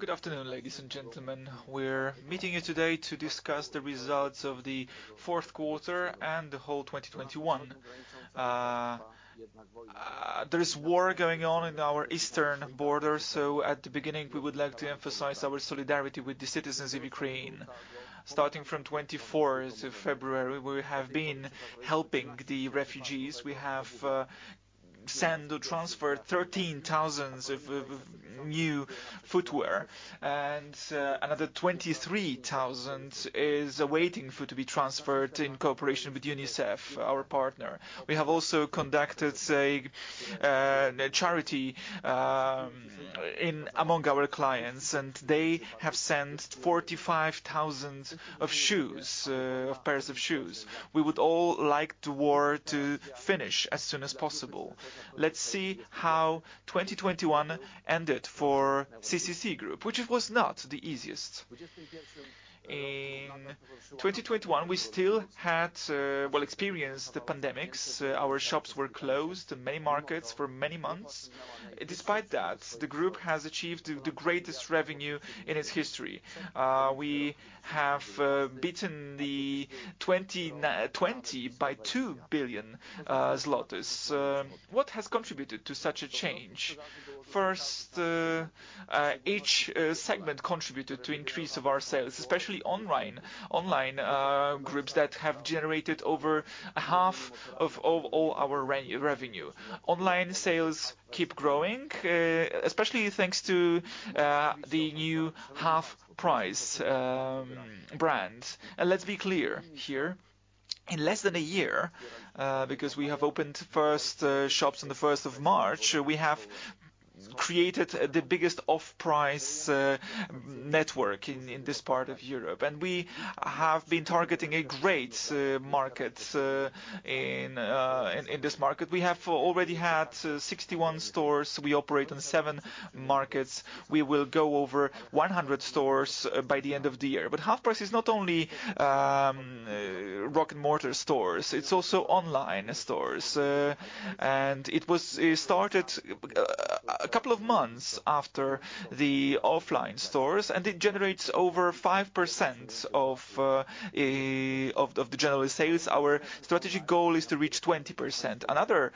Good afternoon, ladies and gentlemen. We're meeting you today to discuss the results of the fourth quarter and the whole 2021. There is war going on in our eastern border, so at the beginning we would like to emphasize our solidarity with the citizens of Ukraine. Starting from February 24, we have been helping the refugees. We have sent or transferred 13,000 of new footwear and another 23,000 is waiting to be transferred in cooperation with UNICEF, our partner. We have also conducted charity among our clients, and they have sent 45,000 of pairs of shoes. We would all like the war to finish as soon as possible. Let's see how 2021 ended for CCC Group, which was not the easiest. In 2021, we still had experienced the pandemic. Our shops were closed in many markets for many months. Despite that, the group has achieved the greatest revenue in its history. We have beaten 2020 by 2 billion zlotys. What has contributed to such a change? First, each segment contributed to increase of our sales, especially online groups that have generated over half of all our revenue. Online sales keep growing, especially thanks to the new HalfPrice brand. Let's be clear here, in less than a year, because we have opened first shops on the March 1, we have created the biggest off-price network in this part of Europe. We have been targeting a great market in this market. We have already had 61 stores. We operate in seven markets. We will go over 100 stores by the end of the year. HalfPrice is not only brick and mortar stores, it's also online stores. It started a couple of months after the offline stores, and it generates over 5% of the general sales. Our strategic goal is to reach 20%. Another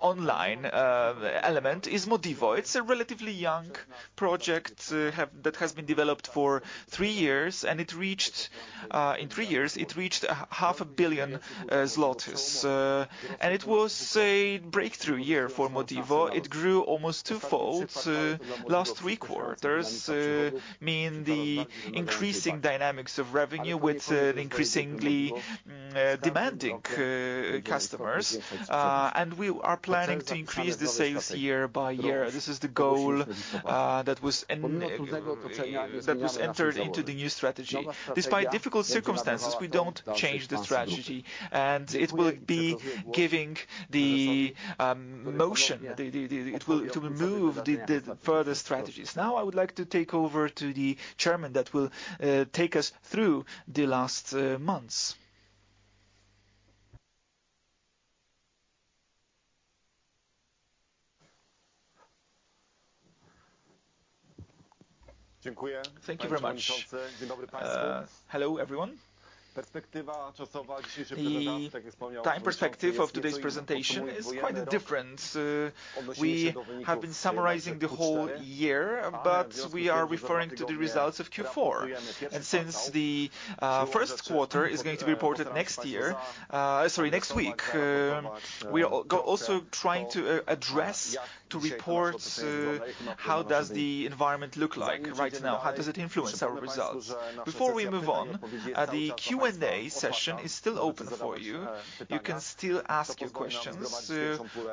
online element is Modivo. It's a relatively young project that has been developed for three years, and it reached, in three years, half a billion zlotys. It was a breakthrough year for Modivo. It grew almost two-fold last three quarters. That mean the increasing dynamics of revenue with an increasingly demanding customers. We are planning to increase the sales year by year. This is the goal that was entered into the new strategy. Despite difficult circumstances, we don't change the strategy, and it will be giving the momentum to move the future strategies. Now I would like to hand over to the Chairman that will take us through the last months. Thank you very much. Hello everyone. The time perspective of today's presentation is quite different. We have been summarizing the whole year, but we are referring to the results of Q4. Since the first quarter is going to be reported next week, we are also trying to address to report how does the environment look like right now, how does it influence our results. Before we move on, the Q&A session is still open for you. You can still ask your questions,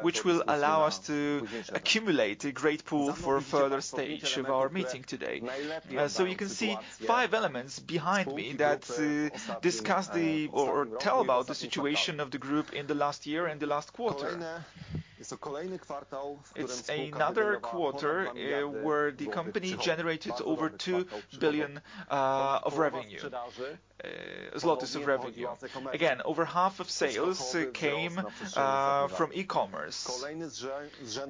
which will allow us to accumulate a great pool for a further stage of our meeting today. You can see five elements behind me that discuss or tell about the situation of the group in the last year and the last quarter. It's another quarter where the company generated over 2 billion of revenue. Again, over half of sales came from e-commerce.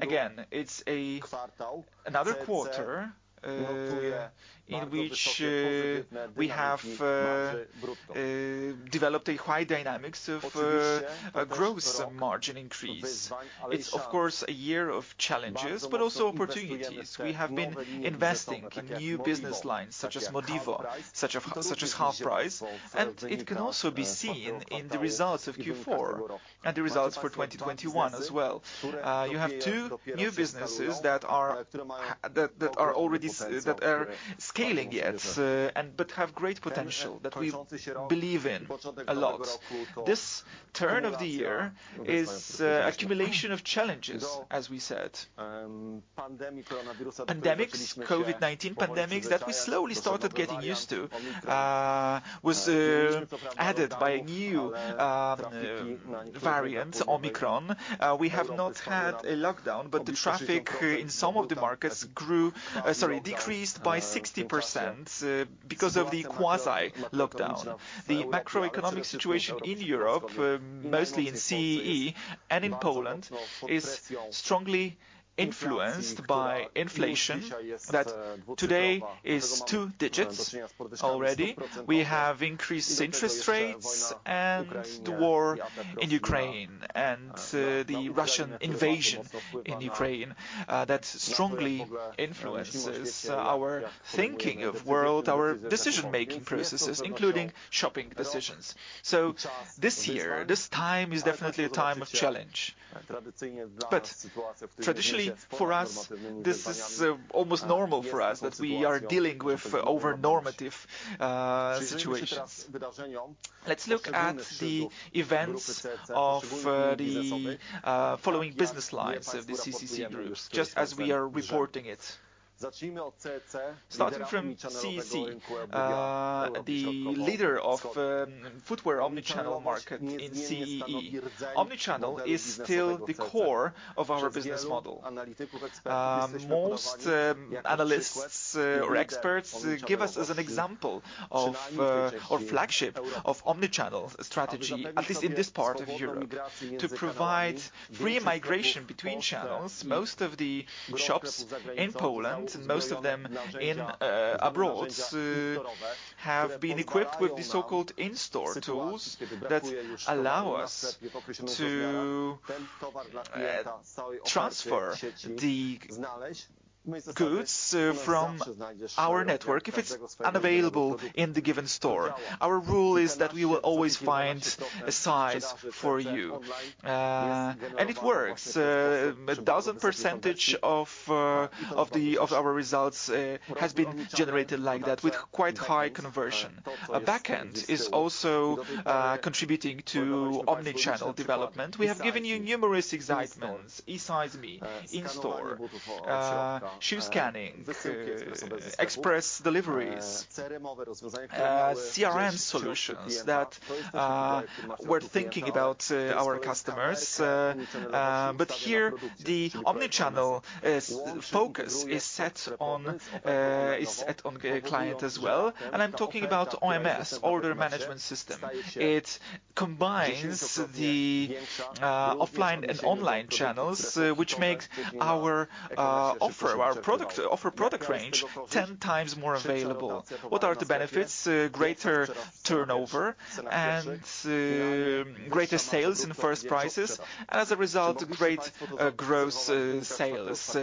Again, it's another quarter in which we have developed a high dynamics of gross margin increase. It's of course a year of challenges, but also opportunities. We have been investing in new business lines such as Modivo, such as HalfPrice, and it can also be seen in the results of Q4 and the results for 2021 as well. You have two new businesses that are already scaling yet, and have great potential that we believe in a lot. This turn of the year is accumulation of challenges as we said. Pandemic, COVID-19 pandemic that we slowly started getting used to was added by a new variant, Omicron. We have not had a lockdown, but the traffic in some of the markets grew... Sorry, decreased by 60% because of the quasi-lockdown. The macroeconomic situation in Europe, mostly in CEE and in Poland, is strongly influenced by inflation that today is two digits already. We have increased interest rates and war in Ukraine and the Russian invasion in Ukraine that strongly influences our thinking of world, our decision-making processes, including shopping decisions. This year, this time is definitely a time of challenge. Traditionally for us, this is almost normal for us that we are dealing with over-normative situations. Let's look at the events of the following business lines of the CCC Group, just as we are reporting it. Starting from CCC, the leader of footwear omnichannel market in CEE. Omnichannel is still the core of our business model. Most analysts or experts give us as an example of our flagship of omnichannel strategy, at least in this part of Europe. To provide free migration between channels, most of the shops in Poland and most of them abroad have been equipped with the so-called in-store tools that allow us to transfer the goods from our network if it's unavailable in the given store. Our rule is that we will always find a size for you. It works. 1000% of our results has been generated like that with quite high conversion. Our backend is also contributing to omnichannel development. We have given you numerous examples, esize.me, in-store shoe scanning, express deliveries, CRM solutions that we're thinking about our customers. here the omnichannel focus is set on the client as well, and I'm talking about OMS, order management system. It combines the offline and online channels, which makes our product offer range 10 times more available. What are the benefits? Greater turnover and greater sales in first prices, and as a result, greater gross sales.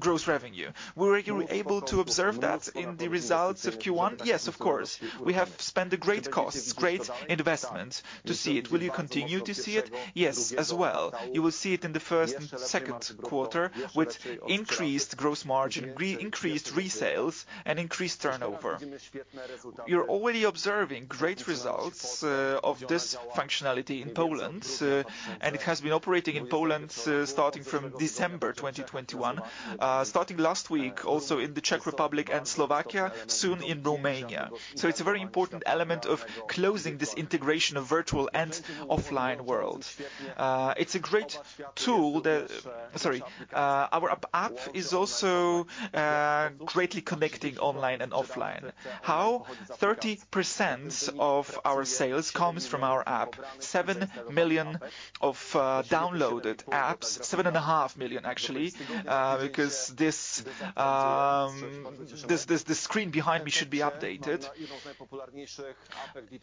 Gross revenue. Were you able to observe that in the results of Q1? Yes, of course. We have spent great costs, great investment to see it. Will you continue to see it? Yes as well. You will see it in the first and second quarter with increased gross margin, increased resales and increased turnover. You're already observing great results of this functionality in Poland, and it has been operating in Poland, starting from December 2021. Starting last week, also in the Czech Republic and Slovakia, soon in Romania. It's a very important element of closing this integration of virtual and offline world. It's a great tool. Our app is also greatly connecting online and offline. How? 30% of our sales comes from our app. 7 million downloaded apps, 7.5 million actually, because this screen behind me should be updated.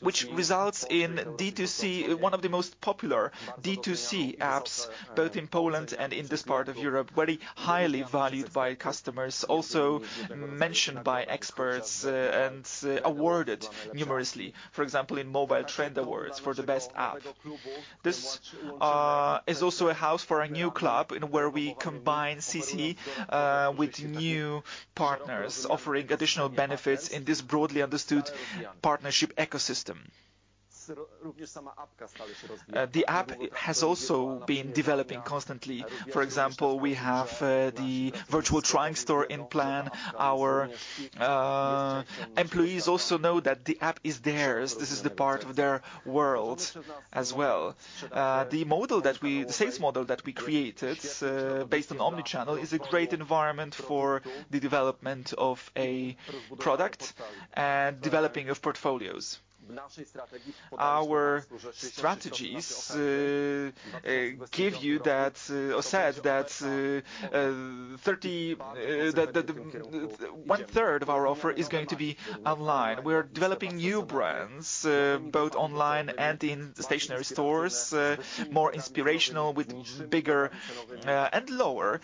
Which results in D2C, one of the most popular D2C apps, both in Poland and in this part of Europe, very highly valued by customers, also mentioned by experts, and awarded numerously. For example, in Mobile Trends Awards for the best app. This is also a hub for a new club in which we combine CCC with new partners offering additional benefits in this broadly understood partnership ecosystem. The app has also been developing constantly. For example, we have the virtual try-on store planned. Our employees also know that the app is theirs. This is the part of their world as well. The sales model that we created based on omnichannel is a great environment for the development of a product and developing of portfolios. Our strategies give you that, as said, 1/3 of our offer is going to be online. We're developing new brands, both online and in stationary stores, more inspirational with bigger and lower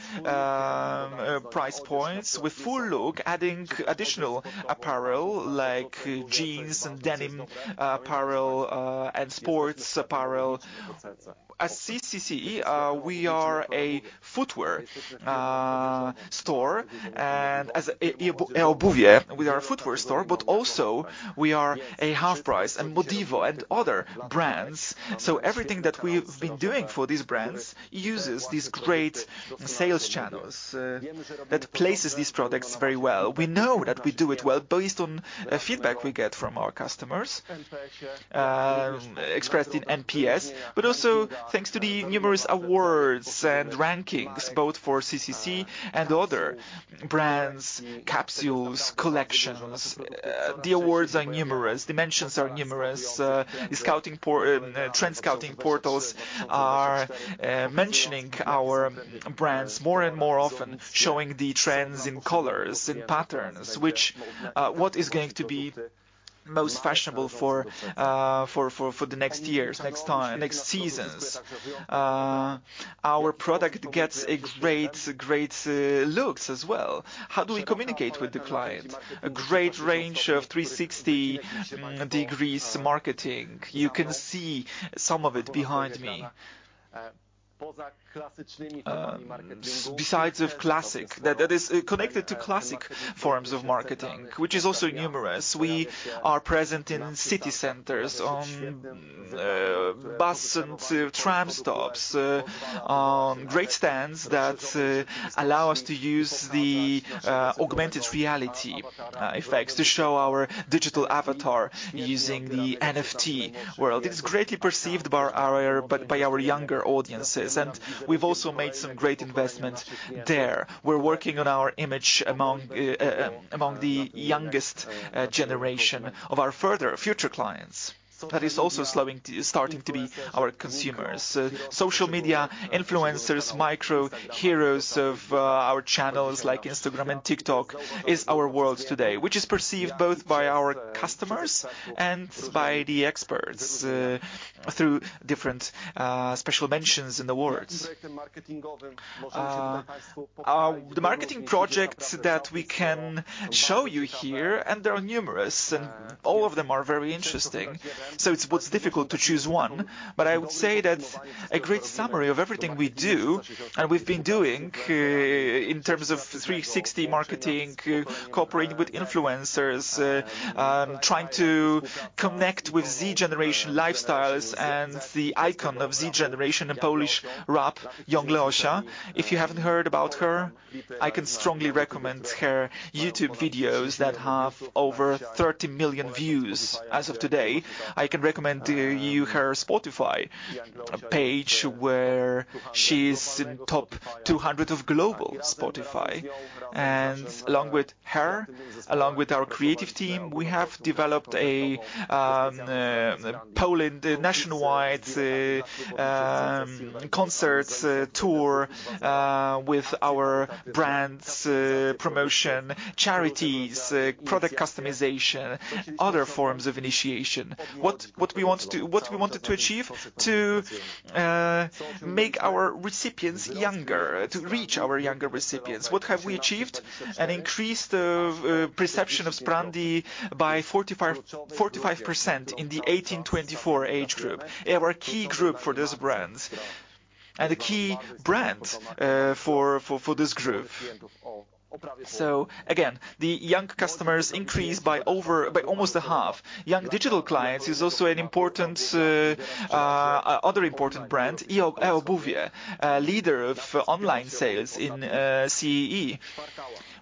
price points with fullLook, adding additional apparel like jeans and denim apparel, and sports apparel. At CCC, we are a footwear store and as eobuwie, we are a footwear store, but also we are a HalfPrice and Modivo and other brands. Everything that we've been doing for these brands uses these great sales channels that places these products very well. We know that we do it well based on feedback we get from our customers, expressed in NPS, but also thanks to the numerous awards and rankings, both for CCC and other brands, capsules, collections. The awards are numerous. The mentions are numerous. Trend scouting portals are mentioning our brands more and more often, showing the trends in colors and patterns, which what is going to be most fashionable for the next years, next time, next seasons. Our product gets a great looks as well. How do we communicate with the client? A great range of 360-degree marketing. You can see some of it behind me. Besides of classic, that is connected to classic forms of marketing, which is also numerous. We are present in city centers on bus and tram stops on great stands that allow us to use the augmented reality effects to show our digital avatar using the NFT world. It's greatly perceived by our younger audiences, and we've also made some great investments there. We're working on our image among the youngest generation of our future clients. That is also starting to be our consumers. Social media, influencers, micro heroes of our channels like Instagram and TikTok is our world today, which is perceived both by our customers and by the experts through different special mentions and awards. The marketing projects that we can show you here, and they are numerous, and all of them are very interesting. It's but difficult to choose one. I would say that a great summary of everything we do, and we've been doing in terms of 360 marketing, cooperating with influencers, trying to connect with Z generation lifestyles and the icon of Z generation in Polish rap, Young Leosia. If you haven't heard about her, I can strongly recommend her YouTube videos that have over 30 million views as of today. I can recommend you her Spotify page, where she's top 200 of global Spotify. Along with her, along with our creative team, we have developed a Poland nationwide concert tour with our brands promotion, charities, product customization, other forms of initiation. What we want to do? What we wanted to achieve? To make our recipients younger, to reach our younger recipients. What have we achieved? An increased perception of Sprandi by 45% in the 18-24 age group. They are our key group for this brand and the key brand for this group. Again, the young customers increased by almost half. Young digital clients is also an important other important brand, eobuwie, a leader of online sales in CEE.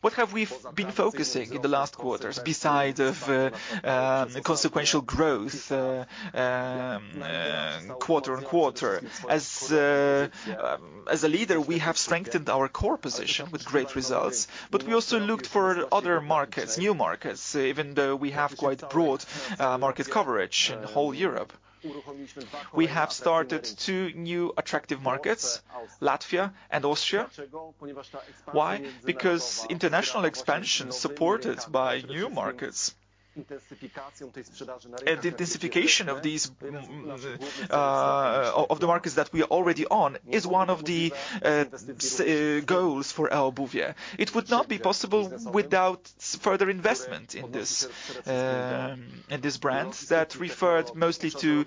What have we been focusing in the last quarters besides consequential growth quarter-over-quarter? As a leader, we have strengthened our core position with great results, but we also looked for other markets, new markets, even though we have quite broad market coverage in whole Europe. We have started two new attractive markets, Latvia and Austria. Why? Because international expansion supported by new markets and the intensification of these of the markets that we are already on is one of the goals for eobuwie. It would not be possible without further investment in this brands that referred mostly to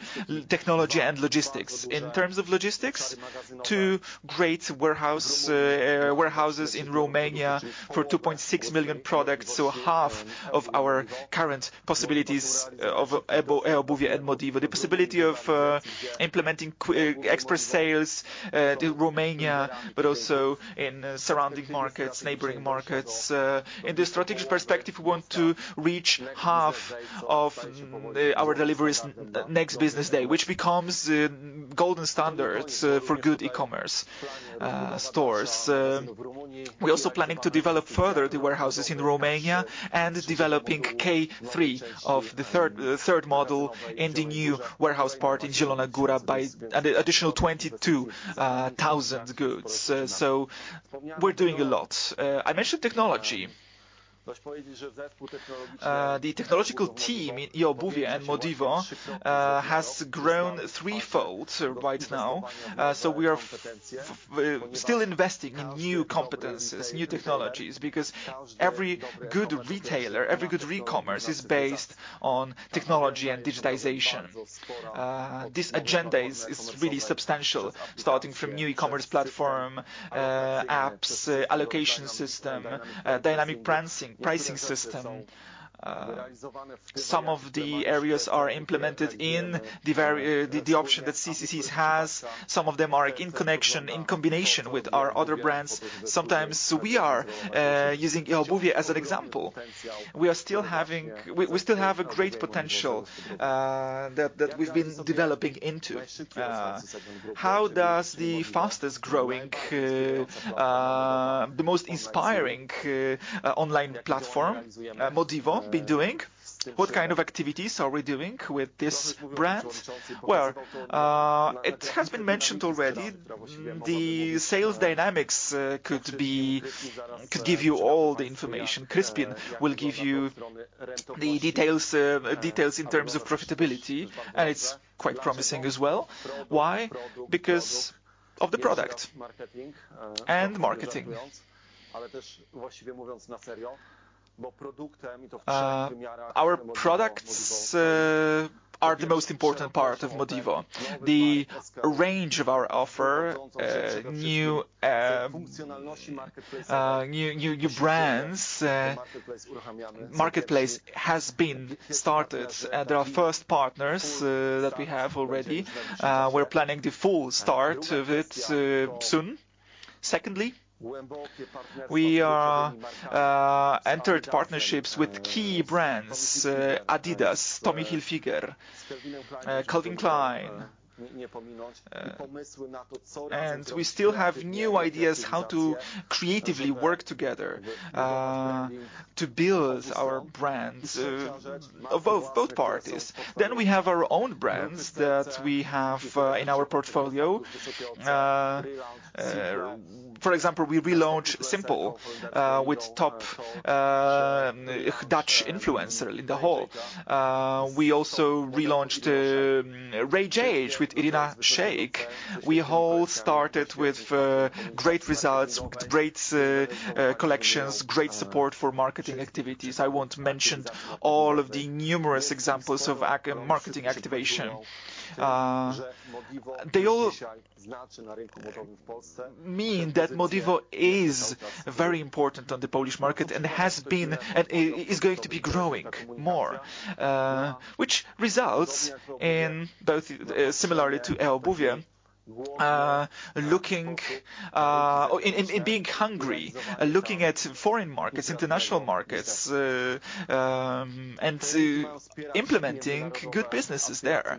technology and logistics. In terms of logistics, two great warehouses in Romania for 2.6 million products, so half of our current possibilities of eobuwie and Modivo. The possibility of implementing express sales to Romania, but also in surrounding markets, neighboring markets. In the strategic perspective, we want to reach half of our deliveries next business day, which becomes the golden standards for good e-commerce stores. We're also planning to develop further the warehouses in Romania and developing K3, the third model in the new warehouse part in Zielona Góra by an additional 22,000 goods. So we're doing a lot. I mentioned technology. The technological team in eObuwie and Modivo has grown threefold right now. We're still investing in new competencies, new technologies, because every good retailer, every good e-commerce is based on technology and digitization. This agenda is really substantial, starting from new e-commerce platform, apps, allocation system, dynamic pricing system. Some of the areas are implemented in the option that CCC has. Some of them are in connection, in combination with our other brands. Sometimes we are using eObuwie as an example. We still have a great potential that we've been developing into. How does the fastest-growing, the most inspiring, online platform, Modivo be doing? What kind of activities are we doing with this brand? Well, it has been mentioned already, the sales dynamics could give you all the information. Kryspin will give you the details in terms of profitability, and it's quite promising as well. Why? Because of the product and marketing. Our products are the most important part of Modivo. The range of our offer, new brands, marketplace has been started. There are first partners that we have already. We're planning the full start of it soon. Secondly, we are entered partnerships with key brands, Adidas, Tommy Hilfiger, Calvin Klein. We still have new ideas how to creatively work together to build our brands of both parties. We have our own brands that we have in our portfolio. For example, we relaunched Simple with top Dutch influencer in the whole. We also relaunched Rage Age with Irina Shayk. We all started with great results, with great collections, great support for marketing activities. I won't mention all of the numerous examples of marketing activation. They all mean that Modivo is very important on the Polish market and has been and is going to be growing more, which results in both, similarly to eobuwie, looking or in being hungry, looking at foreign markets, international markets, and to implementing good businesses there.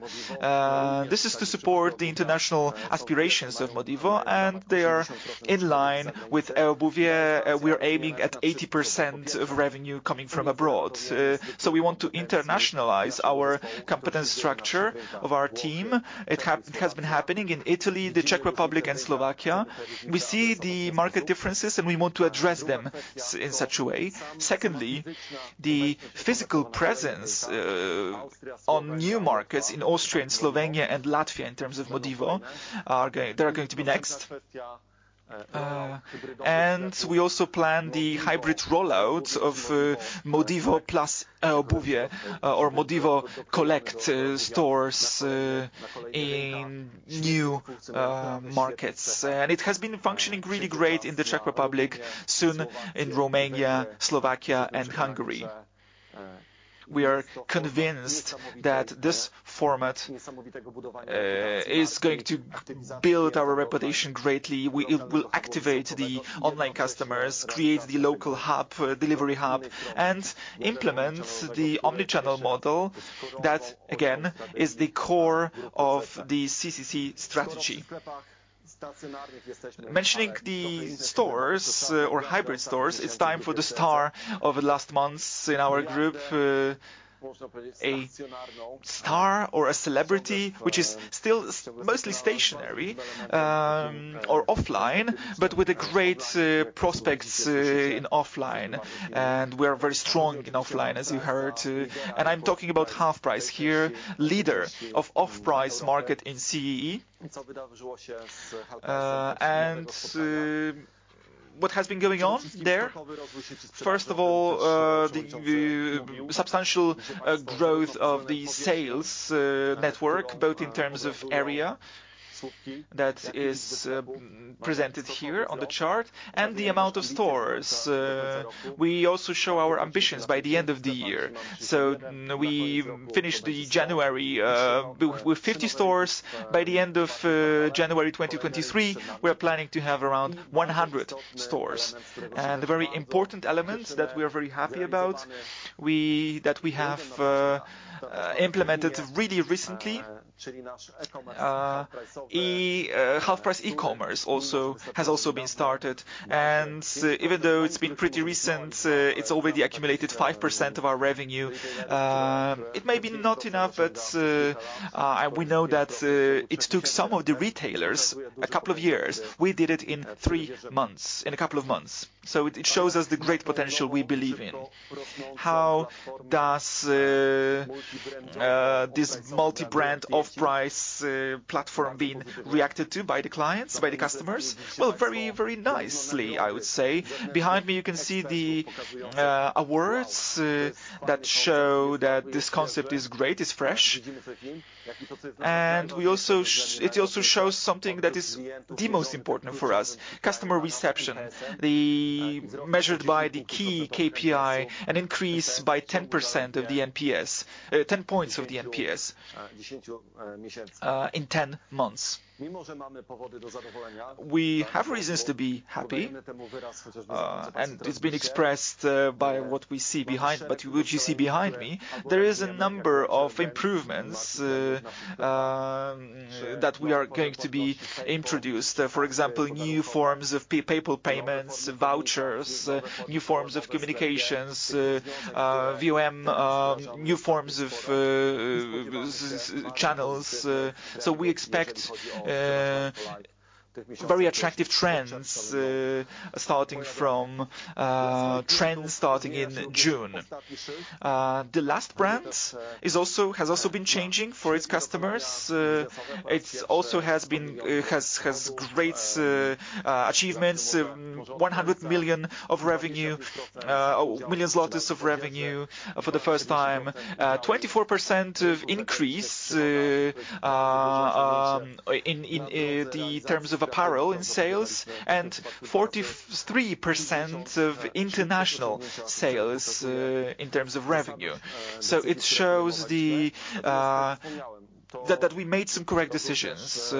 This is to support the international aspirations of Modivo, and they are in line with eobuwie. We're aiming at 80% of revenue coming from abroad. So we want to internationalize our competence structure of our team. It has been happening in Italy, the Czech Republic and Slovakia. We see the market differences, and we want to address them in such a way. Secondly, the physical presence on new markets in Austria and Slovenia and Latvia in terms of Modivo are going to be next. We also plan the hybrid rollout of Modivo plus eobuwie or Modivo collect stores in new markets. It has been functioning really great in the Czech Republic, soon in Romania, Slovakia and Hungary. We are convinced that this format is going to build our reputation greatly. It will activate the online customers, create the local hub, delivery hub, and implement the omnichannel model that, again, is the core of the CCC strategy. Mentioning the stores or hybrid stores, it's time for the star of the last months in our group. A star or a celebrity, which is still mostly stationary, or offline, but with great prospects in offline. We are very strong in offline, as you heard. I'm talking about HalfPrice here, leader of off-price market in CEE. What has been going on there? First of all, the substantial growth of the sales network, both in terms of area that is presented here on the chart and the amount of stores. We also show our ambitions by the end of the year. We finished January with 50 stores. By the end of January 2023, we are planning to have around 100 stores. The very important element that we are very happy about, we...that we have implemented really recently, HalfPrice e-commerce also has also been started. Even though it's been pretty recent, it's already accumulated 5% of our revenue. It may be not enough, but we know that it took some of the retailers a couple of years. We did it in three months, in a couple of months. It shows us the great potential we believe in. How does this multi-brand off-price platform being reacted to by the clients, by the customers? Well, very, very nicely, I would say. Behind me you can see the awards that show that this concept is great, it's fresh. It also shows something that is the most important for us, customer reception. Measured by the key KPI, an increase by 10% of the NPS, 10 points of the NPS, in 10 months. We have reasons to be happy, and it's been expressed by what you see behind me. There is a number of improvements that we are going to introduce. For example, new forms of PayPal payments, vouchers, new forms of communications, VM, new forms of channels. We expect very attractive trends starting from trends starting in June. The last brand has also been changing for its customers. It has also great achievements, 100 million of revenue for the first time. 24% increase in the terms of apparel in sales, and 43% of international sales in terms of revenue. It shows that we made some correct decisions.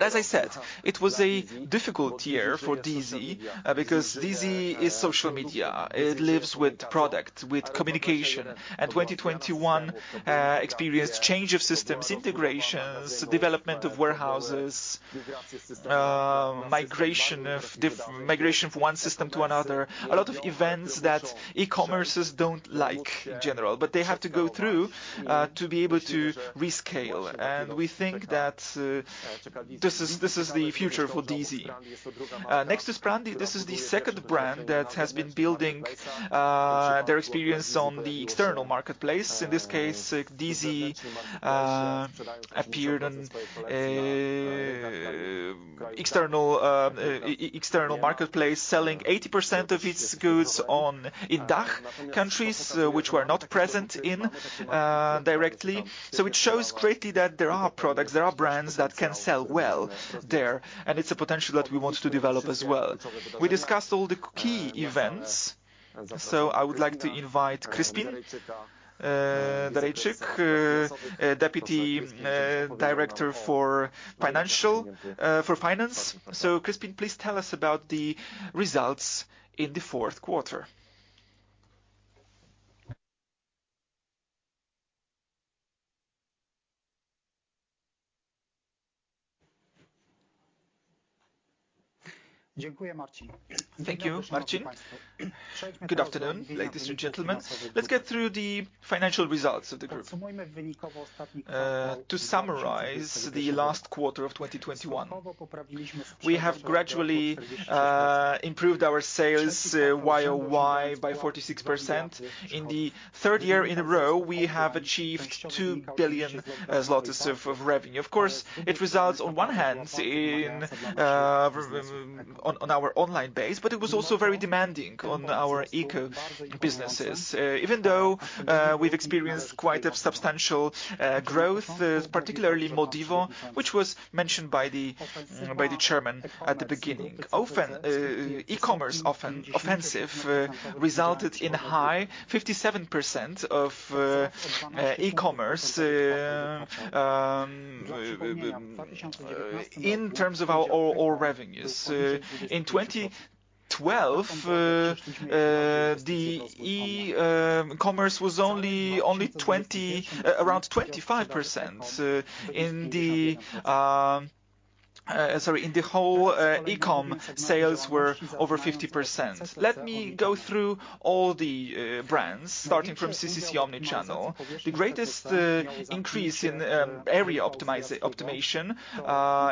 As I said, it was a difficult year for DeeZee because DeeZee is social media. It lives with product, with communication. 2021 experienced change of systems, integrations, development of warehouses, migration from one system to another. A lot of events that e-commerces don't like in general, but they have to go through to be able to rescale. We think that this is the future for DeeZee. Next is Brandi. This is the second brand that has been building their experience on the external marketplace. In this case, DeeZee appeared on external marketplace, selling 80% of its goods online in DACH countries, which we were not present in directly. It shows greatly that there are products, there are brands that can sell well there, and it's a potential that we want to develop as well. We discussed all the key events. I would like to invite Kryspin Dareczek, Deputy Director for Finance. Kryspin, please tell us about the results in the fourth quarter. Thank you, Marcin. Good afternoon, ladies and gentlemen. Let's get through the financial results of the group. To summarize the last quarter of 2021. We have gradually improved our sales Y-o-Y by 46%. In the third year in a row, we have achieved 2 billion zlotys of revenue. Of course, it results on one hand in our online base, but it was also very demanding on our e-com businesses. Even though we've experienced quite a substantial growth, particularly Modivo, which was mentioned by the chairman at the beginning. Often e-commerce offensive resulted in high 57% of e-commerce in terms of our overall revenues. In 2012, the e-commerce was only around 25%. Sorry, in the whole, e-com sales were over 50%. Let me go through all the brands, starting from CCC omnichannel. The greatest increase in area optimization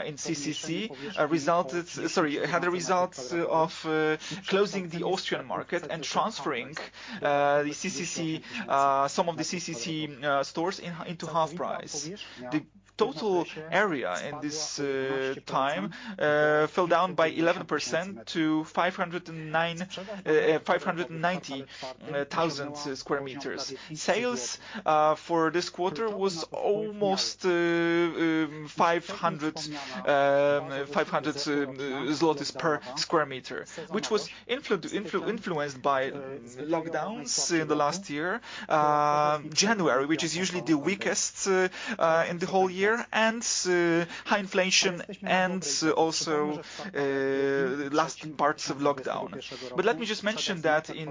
in CCC resulted... Sorry, as a result of closing the Austrian market and transferring some of the CCC stores into HalfPrice. The total area in this time fell by 11% to 590,000 sq m. Sales for this quarter was almost 500 zlotys/sq m, which was influenced by lockdowns in the last year, January, which is usually the weakest in the whole year, and high inflation and also last parts of lockdown. Let me just mention that in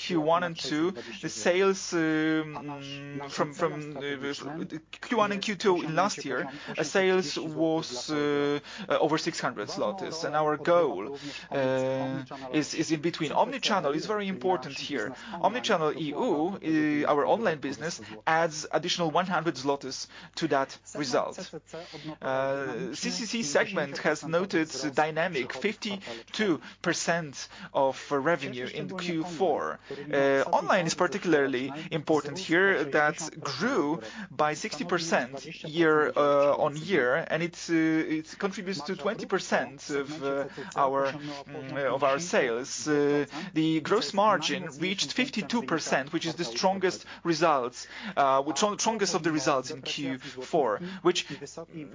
Q1 and Q2, the sales from Q1 and Q2 in last year was over 600 zlotys. Our goal is in between. Omnichannel is very important here. Omnichannel EU, our online business adds additional 100 zlotys to that result. CCC segment has noted dynamic 52% of revenue in Q4. Online is particularly important here. That grew by 60% year-over-year, and it contributes to 20% of our sales. The gross margin reached 52%, which is the strongest of the results in Q4, which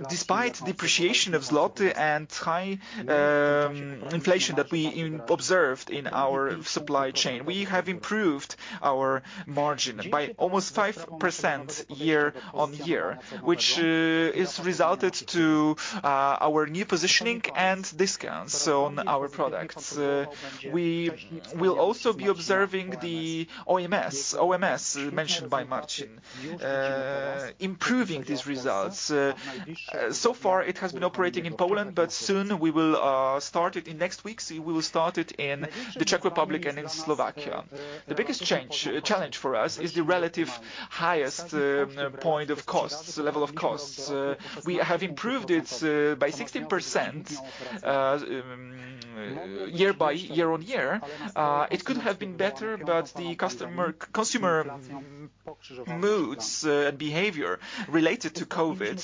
despite depreciation of zloty and high inflation that we observed in our supply chain, we have improved our margin by almost 5% year-over-year, which is due to our new positioning and discounts on our products. We will also be observing the OMS mentioned by Marcin, improving these results. So far it has been operating in Poland, but soon we will start it in next weeks in the Czech Republic and in Slovakia. The biggest challenge for us is the relative highest point of costs, level of costs. We have improved it by 16% year on year. It could have been better, but the customer, consumer moods and behavior related to COVID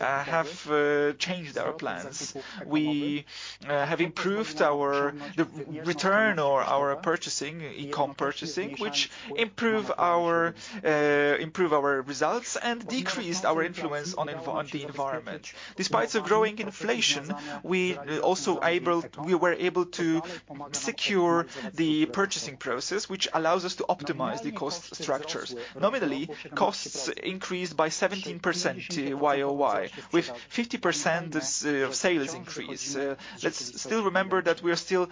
have changed our plans. We have improved our, the return or our purchasing, e-com purchasing, which improve our results and decreased our influence on the environment. Despite the growing inflation, we were able to secure the purchasing process, which allows us to optimize the cost structures. Nominally, costs increased by 17% Y-o-Y, with 50% of sales increase. Let's still remember that we're still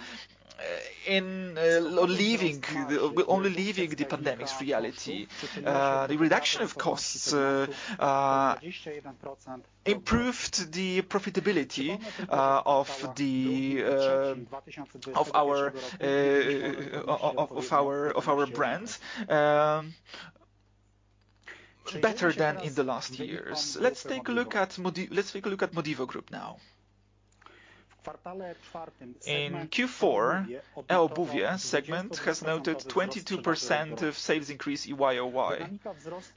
only leaving the pandemic's reality. The reduction of costs improved the profitability of our brand better than in the last years. Let's take a look at Modivo Group now. In Q4, eobuwie segment has noted 22% of sales increase Y-o-Y.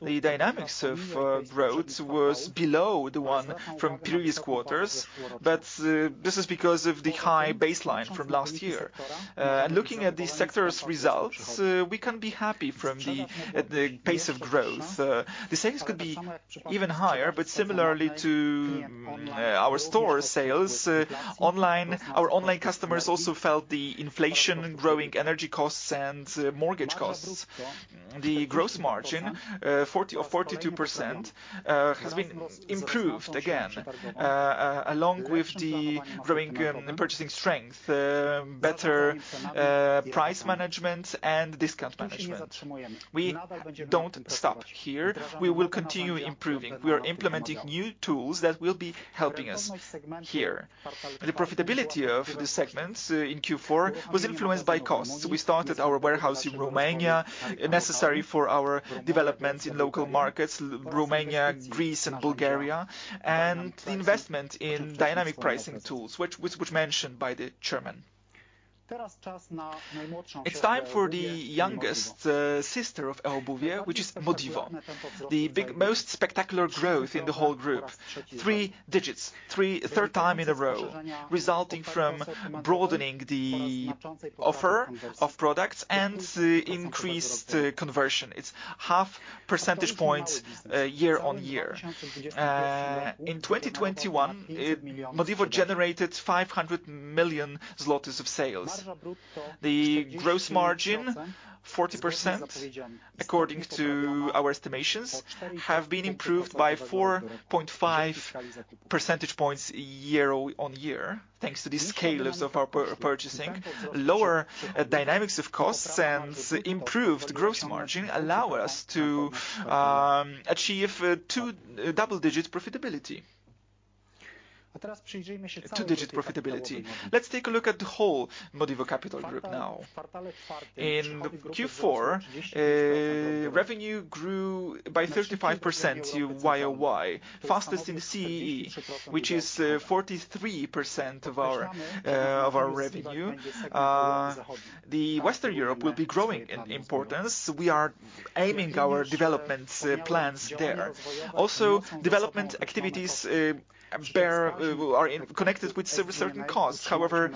The dynamics of growth was below the one from previous quarters, but this is because of the high baseline from last year. Looking at the sector's results, we can be happy with the pace of growth. The sales could be even higher, but similarly to our store sales online, our online customers also felt the inflation, growing energy costs and mortgage costs. The gross margin 40% or 42% has been improved again along with the growing purchasing strength, better price management and discount management. We don't stop here. We will continue improving. We are implementing new tools that will be helping us here. The profitability of the segment in Q4 was influenced by costs. We started our warehouse in Romania, necessary for our development in local markets, Romania, Greece and Bulgaria, and the investment in dynamic pricing tools, which mentioned by the chairman. It's time for the youngest sister of eobuwie.pl, which is Modivo. The big, most spectacular growth in the whole group, three digits, third time in a row, resulting from broadening the offer of products and the increased conversion. It's 0.5 percentage points year-on-year. In 2021, Modivo generated 500 million zlotys of sales. The gross margin, 40%, according to our estimations, has been improved by 4.5 percentage points year-on-year, thanks to the scales of our purchasing. Lower dynamics of costs and improved gross margin allow us to achieve double-digit profitability. Let's take a look at the whole Modivo Capital Group now. In Q4, revenue grew by 35% Y-o-Y, fastest in CEE, which is 43% of our revenue. Western Europe will be growing in importance. We are aiming our development plans there. Development activities are connected with certain costs. However,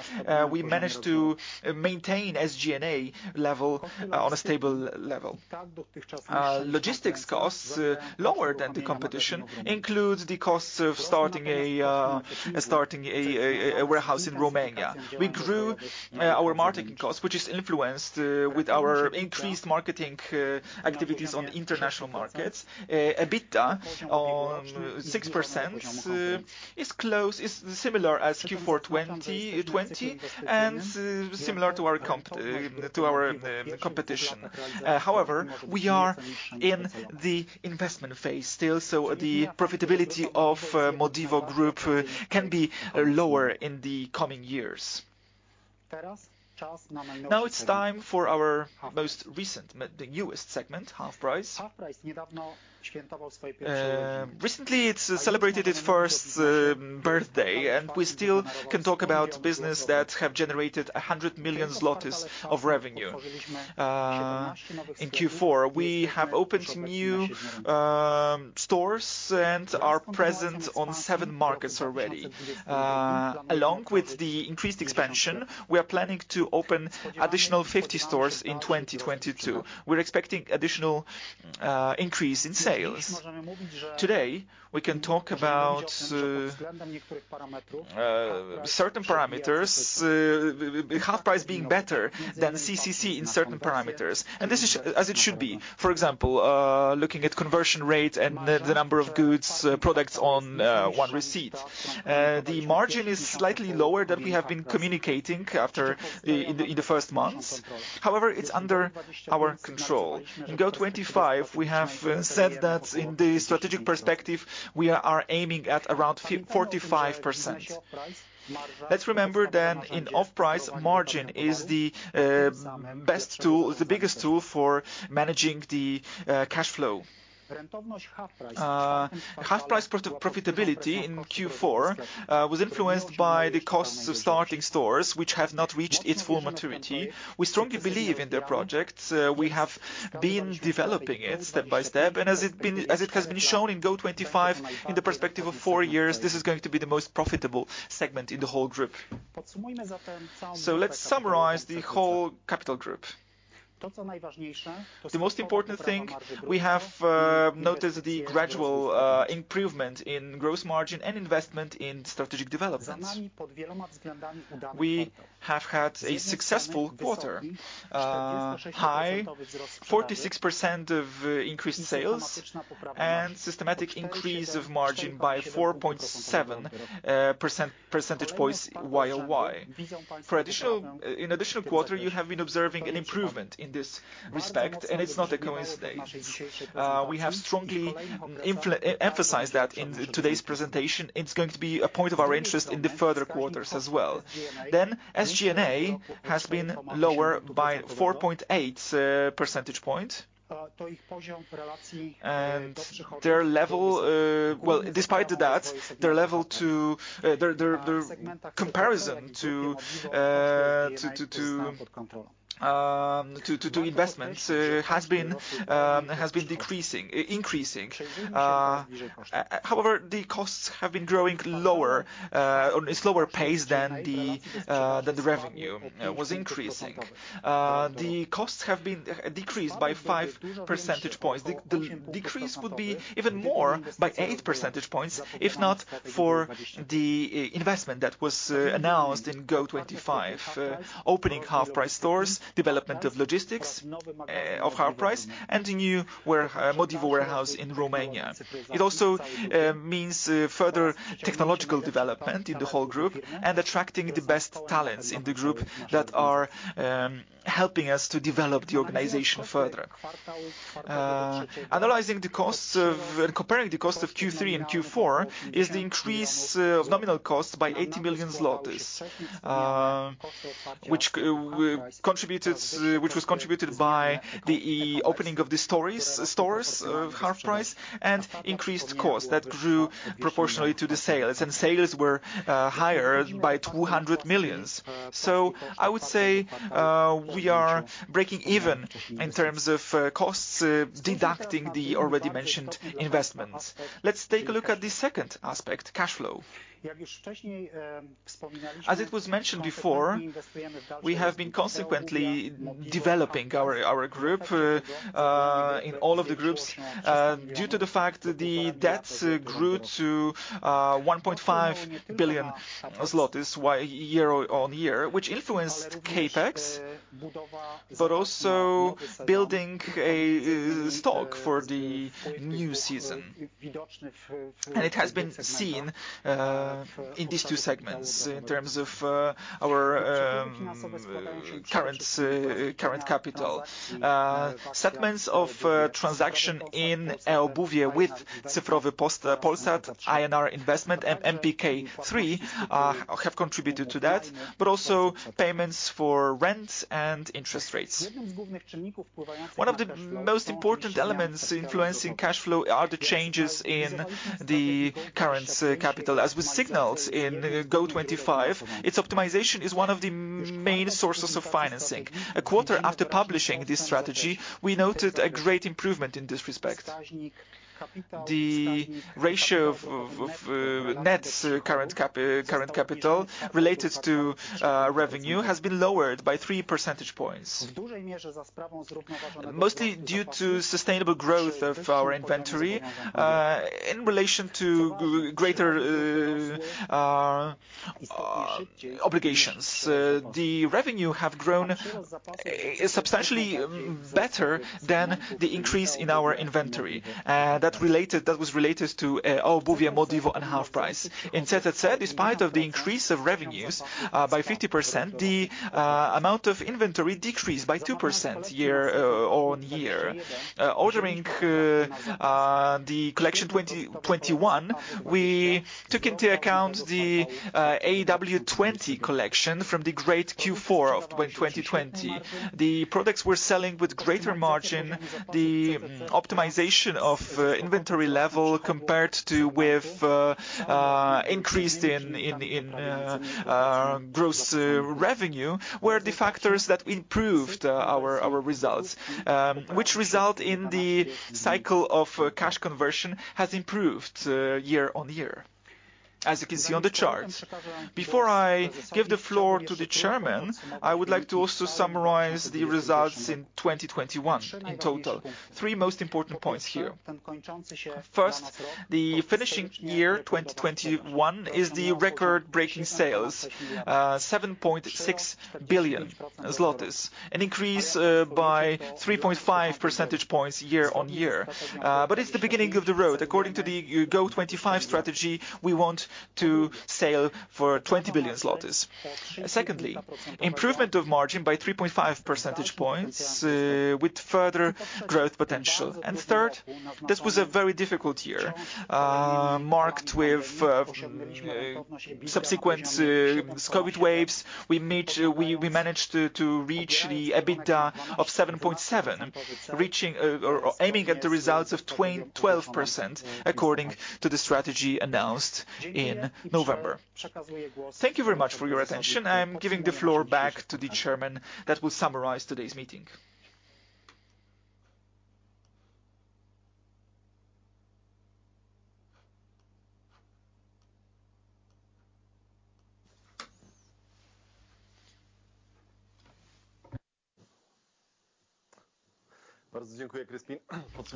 we managed to maintain SG&A level on a stable level. Logistics costs lower than the competition includes the costs of starting a warehouse in Romania. We grew our marketing costs, which is influenced with our increased marketing activities on the international markets. EBITDA on 6% is similar as Q4 2020 and similar to our competition. However, we are in the investment phase still, so the profitability of Modivo Group can be lower in the coming years. Now it's time for our most recent, the newest segment, HalfPrice. Recently, it's celebrated its first birthday, and we still can talk about business that have generated 100 million zlotys of revenue. In Q4, we have opened new stores and are present on seven markets already. Along with the increased expansion, we are planning to open additional 50 stores in 2022. We're expecting additional increase in sales. Today, we can talk about certain parameters with HalfPrice being better than CCC in certain parameters, and this is as it should be. For example, looking at conversion rate and the number of goods, products on one receipt. The margin is slightly lower than we have been communicating in the first months. However, it's under our control. In GO 2025, we have said that in the strategic perspective, we are aiming at around 45%. Let's remember then in off-price, margin is the best tool, the biggest tool for managing the cash flow. HalfPrice pre-profitability in Q4 was influenced by the costs of starting stores which have not reached its full maturity. We strongly believe in the project. We have been developing it step by step, and as it has been shown in GO 2025, in the perspective of four years, this is going to be the most profitable segment in the whole group. Let's summarize the whole capital group. The most important thing, we have noticed the gradual improvement in gross margin and investment in strategic developments. We have had a successful quarter, high 46% increase in sales and systematic increase of margin by 4.7 percentage points Y-o-Y. For an additional quarter, you have been observing an improvement in this respect, and it's not a coincidence. We have strongly emphasized that in today's presentation. It's going to be a point of our interest in the further quarters as well. SG&A has been lower by 4.8 percentage points. Their level, well, despite that, their level to their comparison to investments has been decreasing, increasing. However, the costs have been growing lower on a slower pace than the revenue was increasing. The costs have been decreased by 5 percentage points. The decrease would be even more by 8 percentage points if not for the investment that was announced in GO 2025, opening HalfPrice stores, development of logistics of HalfPrice, and the new Modivo warehouse in Romania. It also means further technological development in the whole group and attracting the best talents in the group that are helping us to develop the organization further. Analyzing the costs and comparing the cost of Q3 and Q4 is the increase of nominal cost by 80 million zlotys, which was contributed by the opening of the stores of HalfPrice and increased costs that grew proportionally to the sales, and sales were higher by 200 million. I would say we are breaking even in terms of costs deducting the already mentioned investments. Let's take a look at the second aspect, cash flow. As it was mentioned before, we have been consequently developing our group in all of the groups due to the fact the debts grew to 1.5 billion zlotys year-on-year, which influenced CapEx, but also building a stock for the new season. It has been seen in these two segments in terms of our current capital. Segments of transaction in eobuwie with Cyfrowy Polsat, INR investment, and MPK3 have contributed to that, but also payments for rent and interest rates. One of the most important elements influencing cash flow are the changes in the current capital. As we signaled in GO 2025, its optimization is one of the main sources of financing. A quarter after publishing this strategy, we noted a great improvement in this respect. The ratio of net current capital related to revenue has been lowered by 3 percentage points. Mostly due to sustainable growth of our inventory in relation to greater obligations. The revenue have grown substantially better than the increase in our inventory that was related to eobuwie, Modivo, and HalfPrice. In CCC, despite the increase of revenues by 50%, the amount of inventory decreased by 2% year-over-year. Ordering the 2021 collection, we took into account the AW 20 collection from the great Q4 of 2020. The products were selling with greater margin. The optimization of inventory level compared to increased gross revenue were the factors that improved our results, which result in the cycle of cash conversion has improved year-over-year, as you can see on the chart. Before I give the floor to the chairman, I would like to also summarize the results in 2021 in total. Three most important points here. First, the finishing year, 2021, is the record-breaking sales. 7.6 billion zlotys. An increase by 3.5 percentage points year-over-year. But it's the beginning of the road. According to the GO 2025 strategy, we want to sell for 20 billion zlotys. Secondly, improvement of margin by 3.5 percentage points with further growth potential. Third, this was a very difficult year, marked with subsequent COVID waves. We managed to reach the EBITDA of 7.7%, reaching or aiming at the results of 12% according to the strategy announced in November. Thank you very much for your attention. I'm giving the floor back to the chairman that will summarize today's meeting.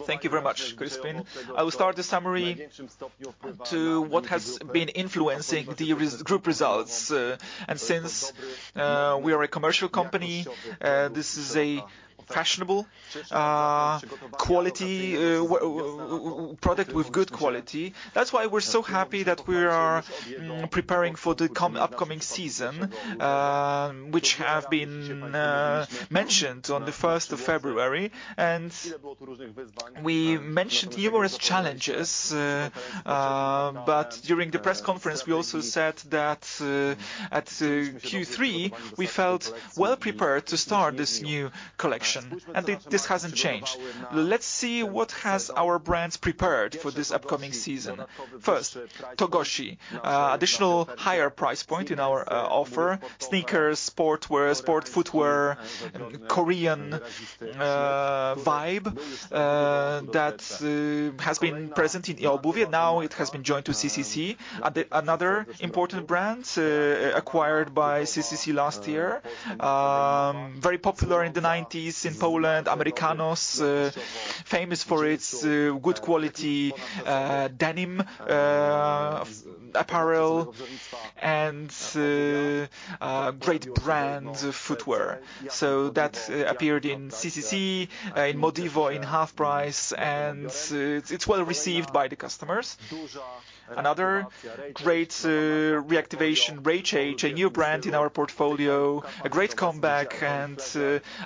Thank you very much, Kryspin. I will start the summary to what has been influencing the group results. Since we are a commercial company, this is a fashionable quality product with good quality. That's why we're so happy that we are preparing for the upcoming season, which have been mentioned on the first of February. We mentioned numerous challenges, but during the press conference we also said that, at Q3, we felt well prepared to start this new collection, and this hasn't changed. Let's see what has our brands prepared for this upcoming season. First, Togoshi. Additional higher price point in our offer. Sneakers, sportswear, sport footwear, Korean vibe that has been present in eObuwie. Now it has been joined to CCC. Another important brand acquired by CCC last year. Very popular in the 1990s in Poland, Americanos, famous for its good quality denim apparel and great brand footwear. So that appeared in CCC, in Modivo, in HalfPrice, and it's well-received by the customers. Another great reactivation, Rage Age, a new brand in our portfolio. A great comeback and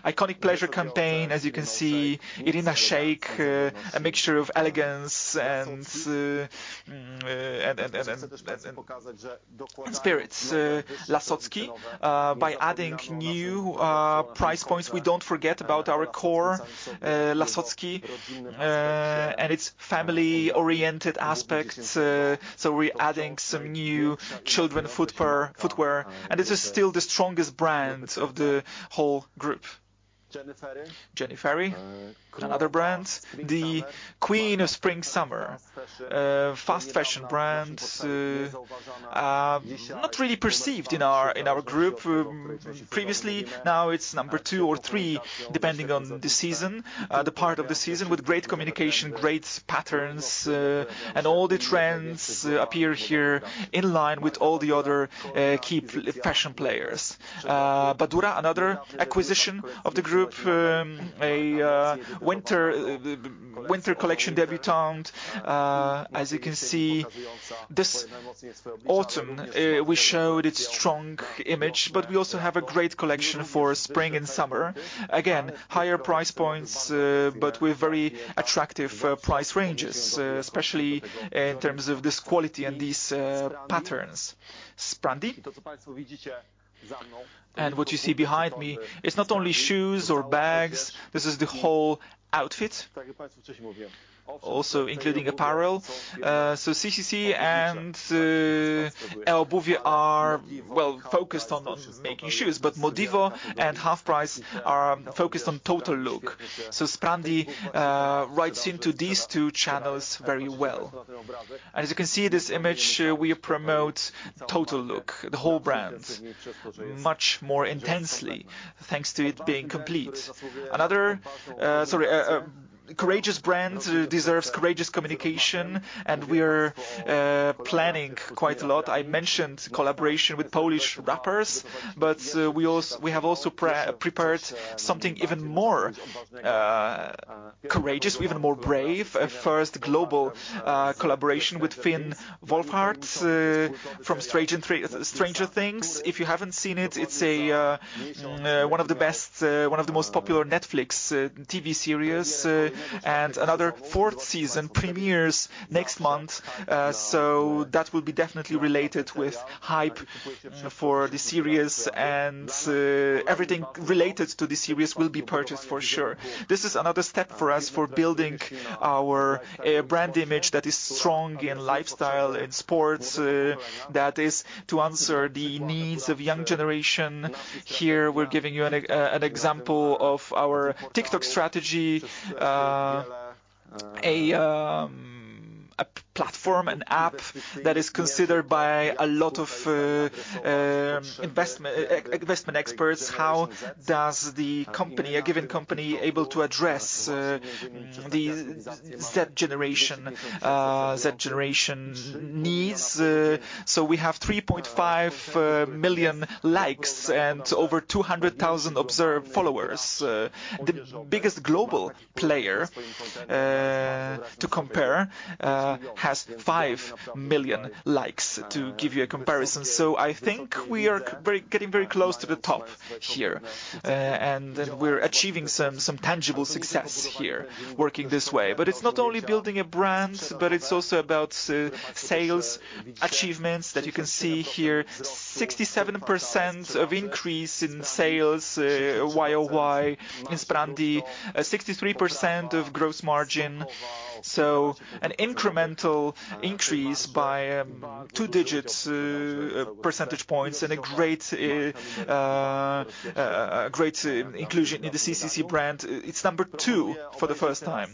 iconic pleasure campaign. As you can see, Irina Shayk, a mixture of elegance and spirits. Lasocki, by adding new price points, we don't forget about our core Lasocki and its family-oriented aspects, so we're adding some new children footwear. This is still the strongest brand of the whole group. Jenny Fairy, another brand. The queen of spring/summer. Fast fashion brand, not really perceived in our group previously. Now it's number two or three, depending on the season, the part of the season, with great communication, great patterns, and all the trends appear here in line with all the other key fashion players. Badura, another acquisition of the group. A winter, the winter collection debutant. As you can see, this autumn, we showed its strong image, but we also have a great collection for spring and summer. Again, higher price points, but with very attractive, price ranges, especially in terms of this quality and these patterns. Sprandi. What you see behind me, it's not only shoes or bags, this is the whole outfit, also including apparel. CCC and eObuwie are, well focused on making shoes, but Modivo and HalfPrice are focused on total look. Sprandi rides into these two channels very well. As you can see this image, we promote total look, the whole brand, much more intensely thanks to it being complete. Another courageous brand deserves courageous communication, and we are planning quite a lot. I mentioned collaboration with Polish rappers, but we have also prepared something even more courageous, even more brave. A first global collaboration with Finn Wolfhard from Stranger Things. If you haven't seen it's one of the best, one of the most popular Netflix TV series, and another fourth season premieres next month. That will be definitely related with hype for the series and everything related to this series will be purchased for sure. This is another step for us for building our brand image that is strong in lifestyle, in sports, that is to answer the needs of young generation. Here we're giving you an example of our TikTok strategy. A platform, an app that is considered by a lot of investment experts. How does a given company able to address the Z generation needs? We have 3.5 million likes and over 200,000 observed followers. The biggest global player to compare has 5 million likes to give you a comparison. I think we are getting very close to the top here. We're achieving some tangible success here working this way. It's not only building a brand, but it's also about sales achievements that you can see here. 67% increase in sales Y-o-Y in Sprandi. 63% of gross margin, so an incremental increase by two percentage points and a great inclusion in the CCC brand. It's number two for the first time.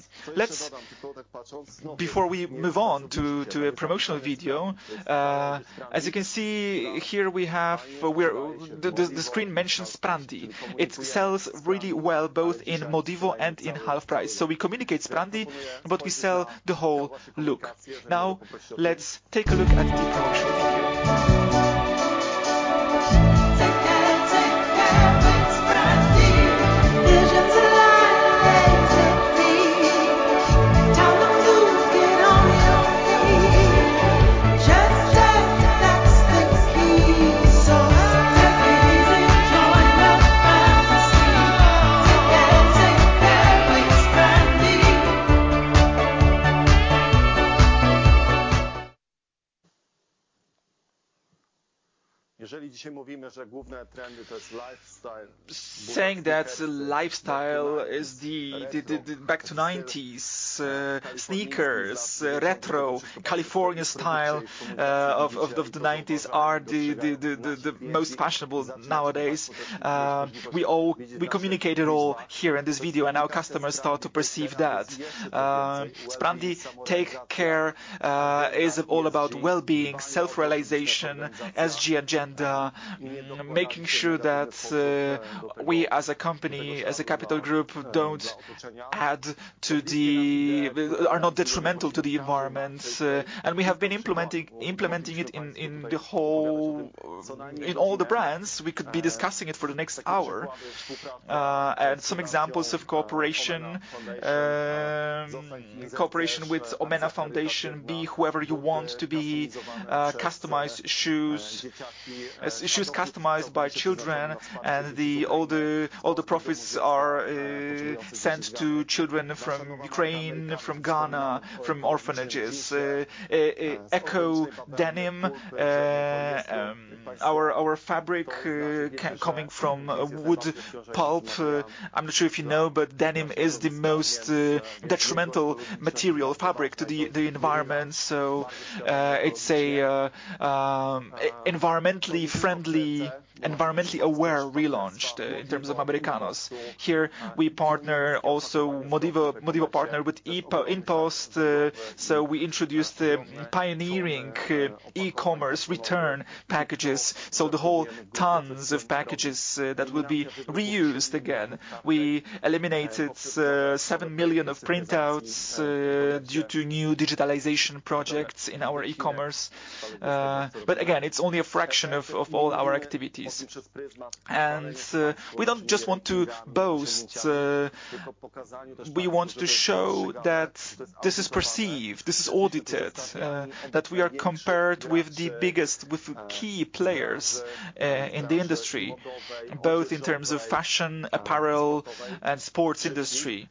Before we move on to a promotional video, as you can see here, the screen mentions Sprandi. It sells really well both in Modivo and in HalfPrice. We communicate Sprandi, but we sell the whole look. Now let's take a look at the promotional video. Take care, take care with Sprandi. Visions aligned, they take me. Time to move, get on your feet. Judge it, that's the key, so take it easy, join the fantasy. Take care, take care with Sprandi. Saying that lifestyle is the back to 90s sneakers, retro California style of the 90s are the most fashionable nowadays. We communicate it all here in this video, and our customers start to perceive that. Sprandi Take Care is all about well-being, self-realization, ESG agenda, making sure that we as a company, as a capital group, are not detrimental to the environment. We have been implementing it in all the brands. We could be discussing it for the next hour. Some examples of cooperation. Cooperation with Omenaa Foundation, be whoever you want to be, customized shoes. It's shoes customized by children, and all the profits are sent to children from Ukraine, from Ghana, from orphanages. Eco denim. Our fabric coming from wood pulp. I'm not sure if you know, but denim is the most detrimental material fabric to the environment. It's a environmentally friendly, environmentally aware relaunch in terms of Americanos. Here we partner also Modivo partner with InPost. We introduced the pioneering e-commerce return packages, so the whole tons of packages that will be reused again. We eliminated 7 million of printouts due to new digitalization projects in our e-commerce. But again, it's only a fraction of all our activities. We don't just want to boast. We want to show that this is perceived, this is audited, that we are compared with the biggest, with key players in the industry, both in terms of fashion, apparel, and sports industry.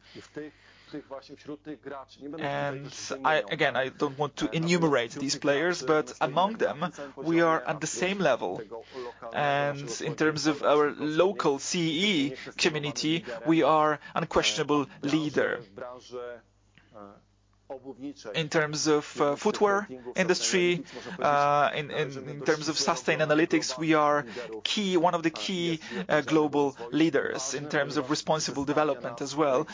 Again, I don't want to enumerate these players, but among them we are at the same level. In terms of our local CEE community, we are unquestionable leader. In terms of footwear industry, in terms of Sustainalytics, we are one of the key global leaders in terms of responsible development as well.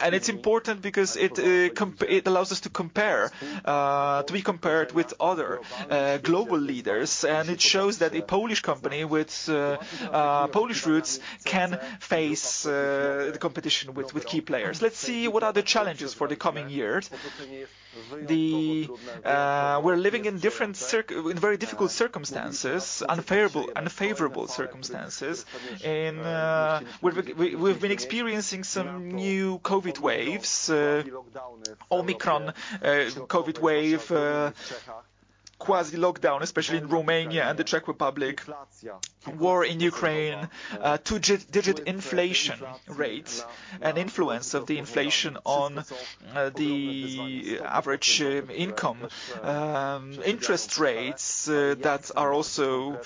It's important because it allows us to be compared with other global leaders. It shows that a Polish company with Polish roots can face the competition with key players. Let's see, what are the challenges for the coming years? We're living in very difficult circumstances, unfavorable circumstances. We've been experiencing some new COVID waves, Omicron, COVID wave, quasi lockdown, especially in Romania and the Czech Republic. War in Ukraine, two-digit inflation rates and influence of the inflation on the average income. Interest rates that are also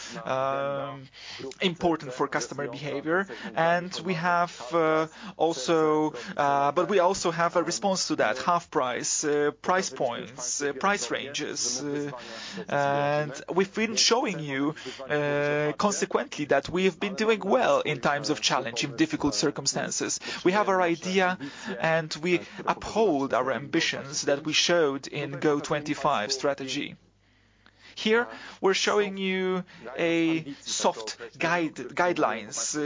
important for customer behavior. But we also have a response to that, HalfPrice, price points, price ranges. We've been showing you consequently that we have been doing well in times of challenge, in difficult circumstances. We have our idea, and we uphold our ambitions that we showed in GO 2025 strategy. Here, we're showing you guidelines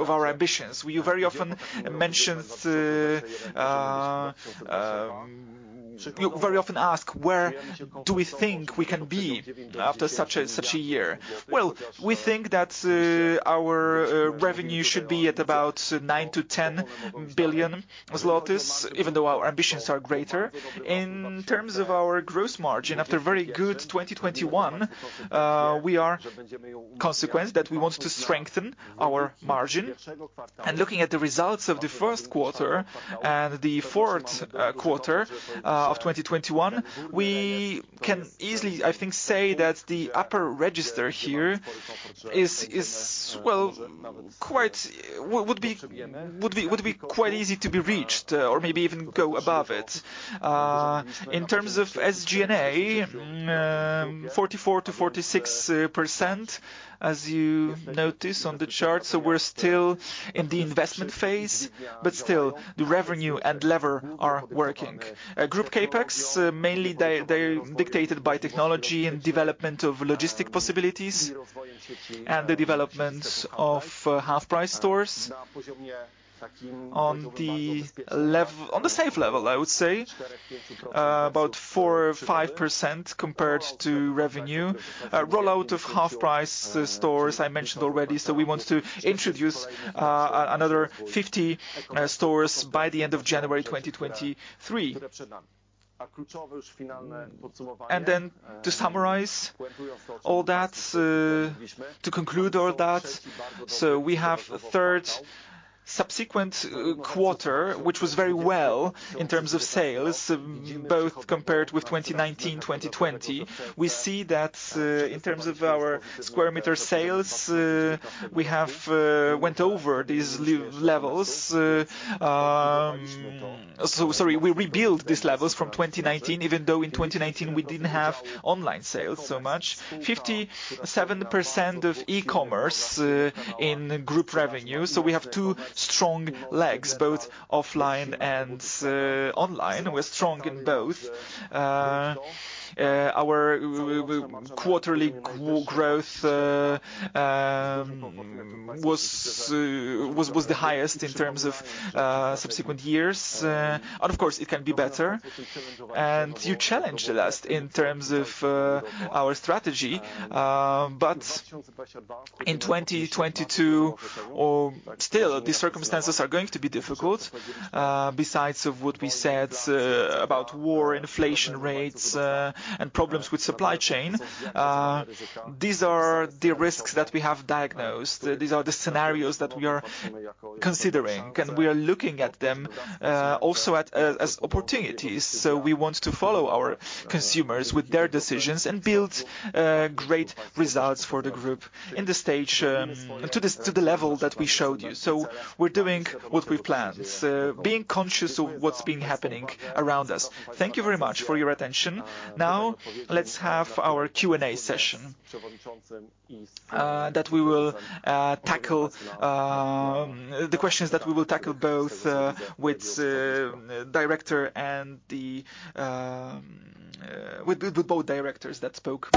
of our ambitions. We very often mention you very often ask where do we think we can be after such a year? Well, we think that our revenue should be at about 9 billion-10 billion zlotys, even though our ambitions are greater. In terms of our gross margin, after a very good 2021, we are confident that we want to strengthen our margin. Looking at the results of the first quarter and the fourth quarter of 2021, we can easily, I think, say that the upper register here would be quite easy to be reached or maybe even go above it. In terms of SG&A, 44%-46%, as you notice on the chart. We're still in the investment phase, but still the revenue and leverage are working. Our group CapEx mainly they're dictated by technology and development of logistics possibilities and the development of HalfPrice stores. On the same level, I would say about 4%-5% compared to revenue. Rollout of HalfPrice stores, I mentioned already. We want to introduce another 50 stores by the end of January 2023. To summarize all that, to conclude all that, we have a third subsequent quarter, which was very well in terms of sales, both compared with 2019, 2020. We see that in terms of our sq m sales, we have went over these levels. Sorry, we rebuild these levels from 2019, even though in 2019 we didn't have online sales so much. 57% of e-commerce in group revenue, so we have two strong legs, both offline and online. We're strong in both. Our quarterly growth was the highest in terms of subsequent years. Of course, it can be better. You challenged us in terms of our strategy. In 2022 or still, these circumstances are going to be difficult. Besides what we said about war, inflation rates, and problems with supply chain, these are the risks that we have diagnosed. These are the scenarios that we are considering, and we are looking at them also as opportunities. We want to follow our consumers with their decisions and build great results for the group in this stage to the level that we showed you. We're doing what we planned, being conscious of what's been happening around us. Thank you very much for your attention. Now let's have our Q&A session that we will tackle the questions both with the director and with both directors that spoke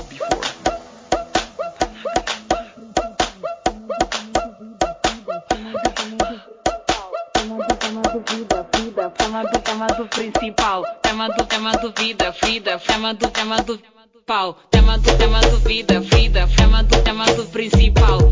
before.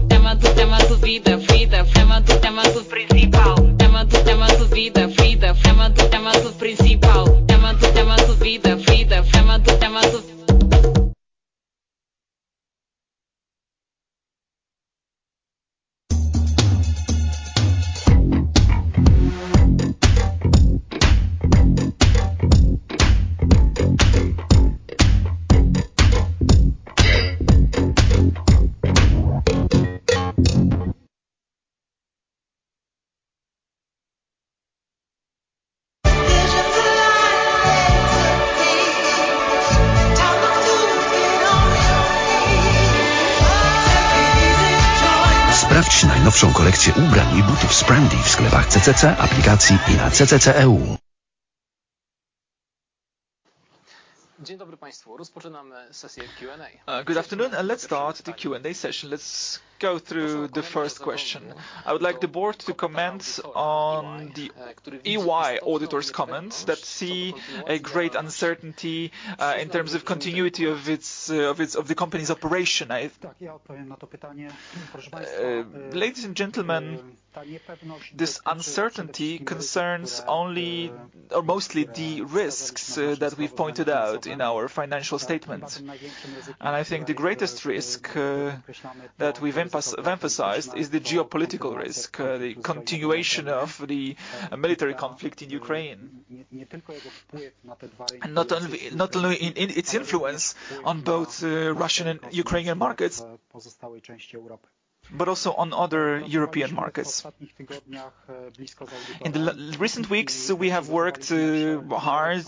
Good afternoon. Let's start the Q&A session. Let's go through the first question. I would like the board to comment on the EY auditor's comments that see a great uncertainty in terms of continuity of the company's operation. Ladies and gentlemen, this uncertainty concerns only or mostly the risks that we've pointed out in our financial statements. I think the greatest risk that we've emphasized is the geopolitical risk, the continuation of the military conflict in Ukraine. Not only in its influence on both Russian and Ukrainian markets but also on other European markets. In the recent weeks, we have worked hard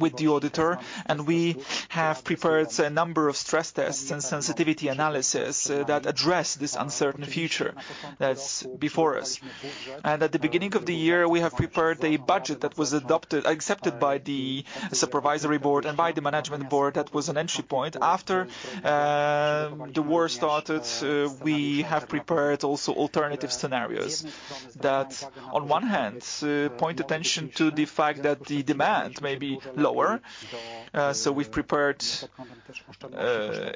with the auditor, and we have prepared a number of stress tests and sensitivity analysis that address this uncertain future that's before us. At the beginning of the year, we have prepared a budget that was accepted by the supervisory board and by the management board. That was an entry point. After the war started, we have prepared also alternative scenarios that on one hand draw attention to the fact that the demand may be lower. We've prepared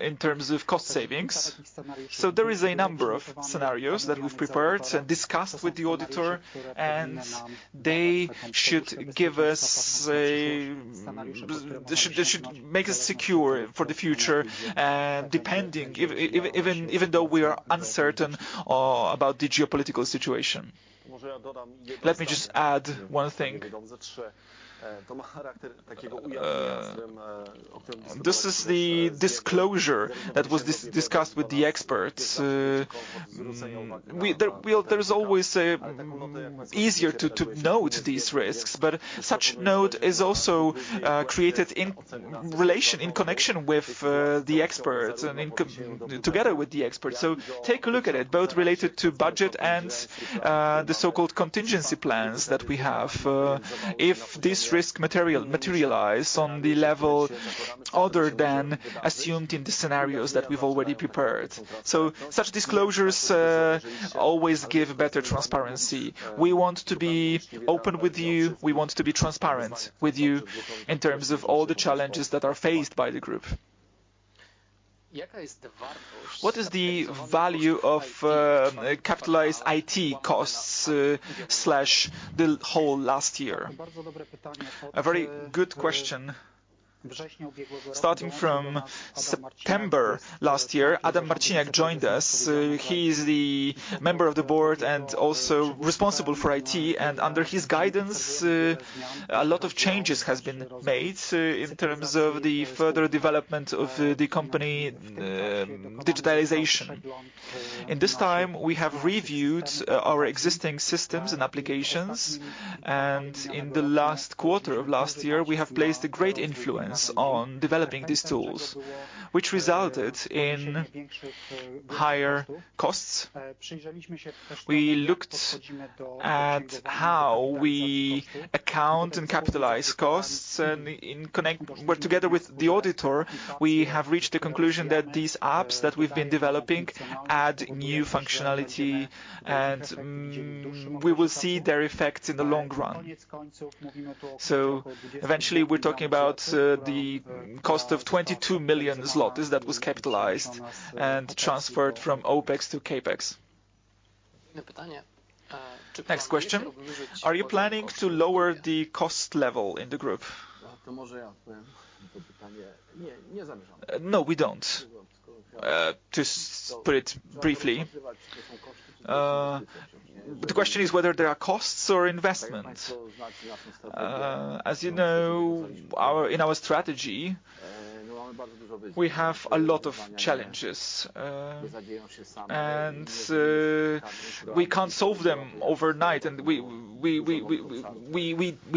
in terms of cost savings. There is a number of scenarios that we've prepared and discussed with the auditor, and they should make us secure for the future, even though we are uncertain about the geopolitical situation. Let me just add one thing. This is the disclosure that was discussed with the experts. Well, it's always easier to note these risks, but such note is also created in relation, in connection with the experts and together with the experts. Take a look at it, both related to budget and the so-called contingency plans that we have. If this risk materialize on the level other than assumed in the scenarios that we've already prepared. Such disclosures always give better transparency. We want to be open with you. We want to be transparent with you in terms of all the challenges that are faced by the group. What is the value of capitalized IT costs slash the whole last year? A very good question. Starting from September last year, Adam Marciniak joined us. He is the Member of the Board and also responsible for IT, and under his guidance, a lot of changes has been made in terms of the further development of the company digitalization. In this time, we have reviewed our existing systems and applications, and in the last quarter of last year, we have placed a great influence on developing these tools, which resulted in higher costs. We looked at how we account and capitalize costs, and together with the auditor, we have reached the conclusion that these apps that we've been developing add new functionality, and we will see their effects in the long run. Eventually we're talking about the cost of 22 million zlotys that was capitalized and transferred from OpEx to CapEx. Next question: Are you planning to lower the cost level in the group? No, we don't. To put it briefly, the question is whether there are costs or investments. As you know, in our strategy, we have a lot of challenges, and we can't solve them overnight. We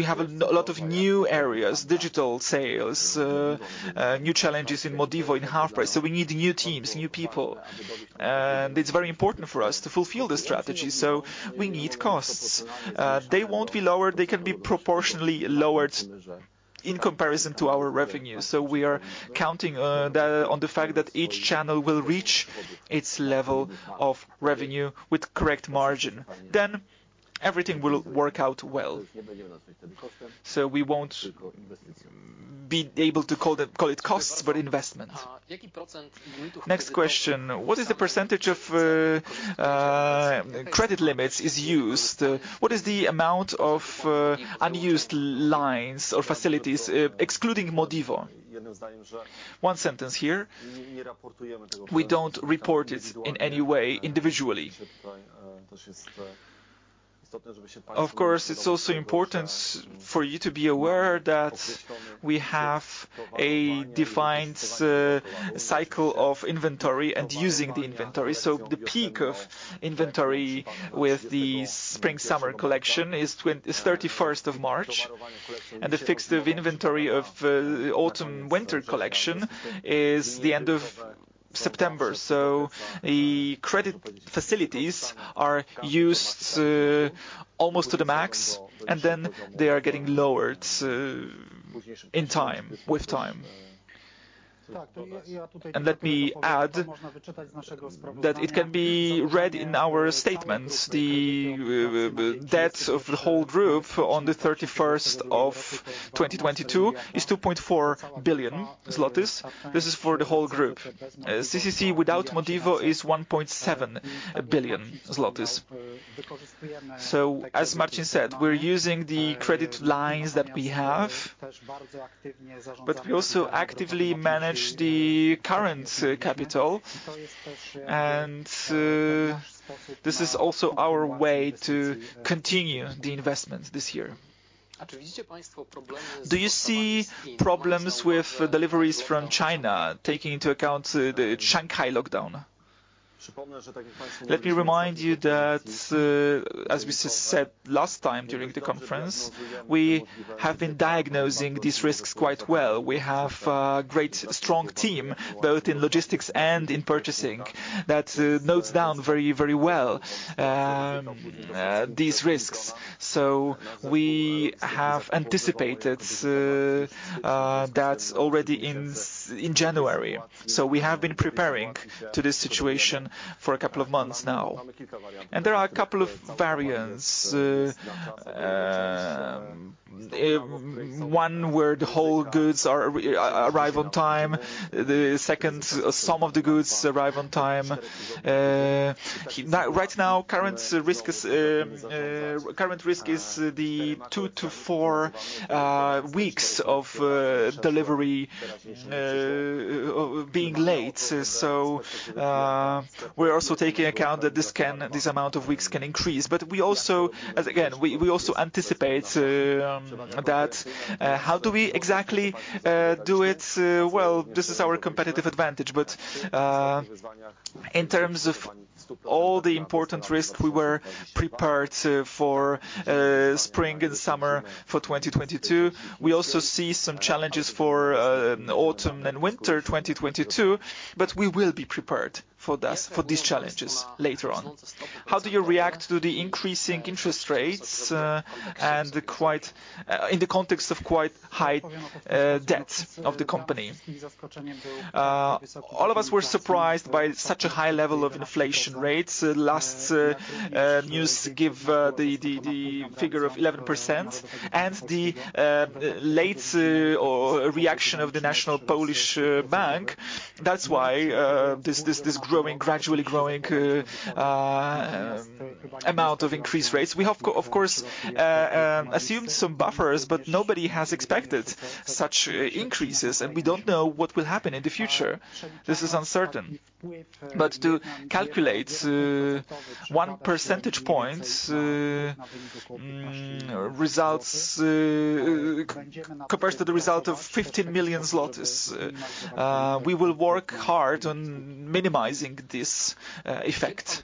have a lot of new areas, digital sales, new challenges in Modivo and HalfPrice. We need new teams, new people. It's very important for us to fulfill the strategy. We need costs. They won't be lowered. They can be proportionally lowered in comparison to our revenue. We are counting on the fact that each channel will reach its level of revenue with correct margin. Everything will work out well. We won't be able to call it costs, but investment. Next question: What is the percentage of credit limits is used? What is the amount of unused lines or facilities, excluding Modivo? One sentence here. We don't report it in any way individually. It's also important for you to be aware that we have a defined cycle of inventory and using the inventory. The peak of inventory with the spring/summer collection is March 31, and the peak of inventory of autumn/winter collection is the end of September. The credit facilities are used almost to the max, and then they are getting lowered in time, with time. Let me add that it can be read in our statements. The debt of the whole group on the 31st of 2022 is 2.4 billion zlotys. This is for the whole group. CCC without Modivo is 1.7 billion zlotys. As Marcin said, we're using the credit lines that we have, but we also actively manage the current capital and this is also our way to continue the investment this year. Do you see problems with deliveries from China, taking into account the Shanghai lockdown? Let me remind you that, as we said last time during the conference, we have been diagnosing these risks quite well. We have a great strong team, both in logistics and in purchasing, that notes down very well these risks. We have anticipated that already in January. We have been preparing to this situation for a couple of months now. There are a couple of variants. One where the whole goods arrive on time. The second, some of the goods arrive on time. Now, right now, current risk is the two to four weeks of delivery being late. We're also taking account that this amount of weeks can increase. We also anticipate that how do we exactly do it? Well, this is our competitive advantage. In terms of all the important risks, we were prepared for spring and summer 2022. We also see some challenges for autumn and winter 2022, but we will be prepared for that, for these challenges later on. How do you react to the increasing interest rates and quite high debt of the company in the context of quite high debt of the company? All of us were surprised by such a high level of inflation rates. Latest news gives the figure of 11% and the reaction of the National Bank of Poland. That's why this gradually growing amount of increased rates. We have of course assumed some buffers, but nobody has expected such increases, and we don't know what will happen in the future. This is uncertain. To calculate one percentage point results compares to the result of 50 million zlotys. We will work hard on minimizing this effect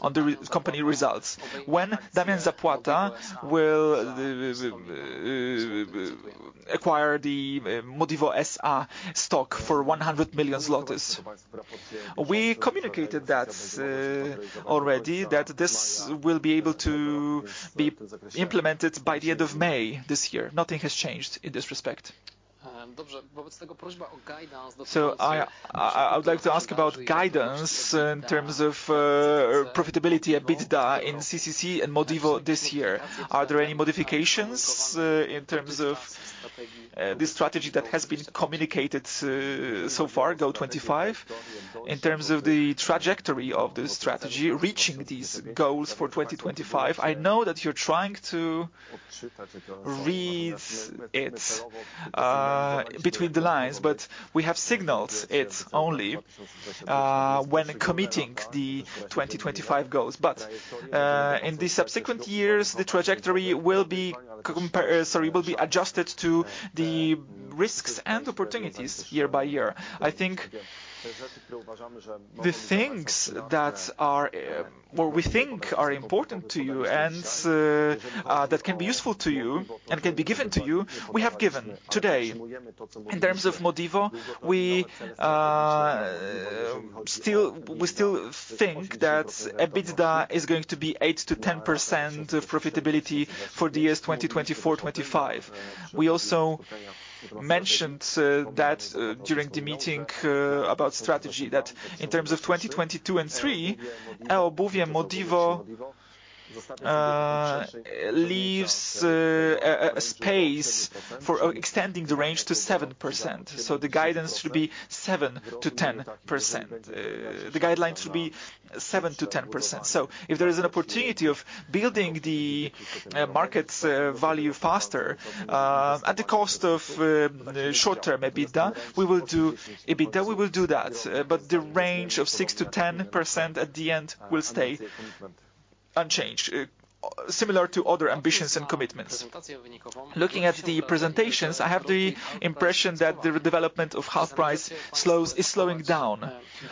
on the company results. When will Damian Zapłata acquire the Modivo S.A. stock for 100 million? We communicated already that this will be able to be implemented by the end of May this year. Nothing has changed in this respect. I would like to ask about guidance in terms of profitability EBITDA in CCC and Modivo this year. Are there any modifications in terms of the strategy that has been communicated so far, GO 2025? In terms of the trajectory of this strategy, reaching these goals for 2025, I know that you're trying to read it between the lines, but we have signaled it only when committing the 2025 goals. In the subsequent years, the trajectory will be adjusted to the risks and opportunities year by year. I think the things that are what we think are important to you and that can be useful to you and can be given to you, we have given today. In terms of Modivo, we still think that EBITDA is going to be 8%-10% profitability for the years 2024, 2025. We also mentioned that during the meeting about strategy that in terms of 2022 and 2023, eobuwie, Modivo leaves a space for extending the range to 7%. The guidance should be 7%-10%. The guidelines should be 7%-10%. If there is an opportunity of building the market's value faster at the cost of short-term EBITDA, we will do that. The range of 6%-10% at the end will stay unchanged, similar to other ambitions and commitments. Looking at the presentations, I have the impression that the development of HalfPrice is slowing down.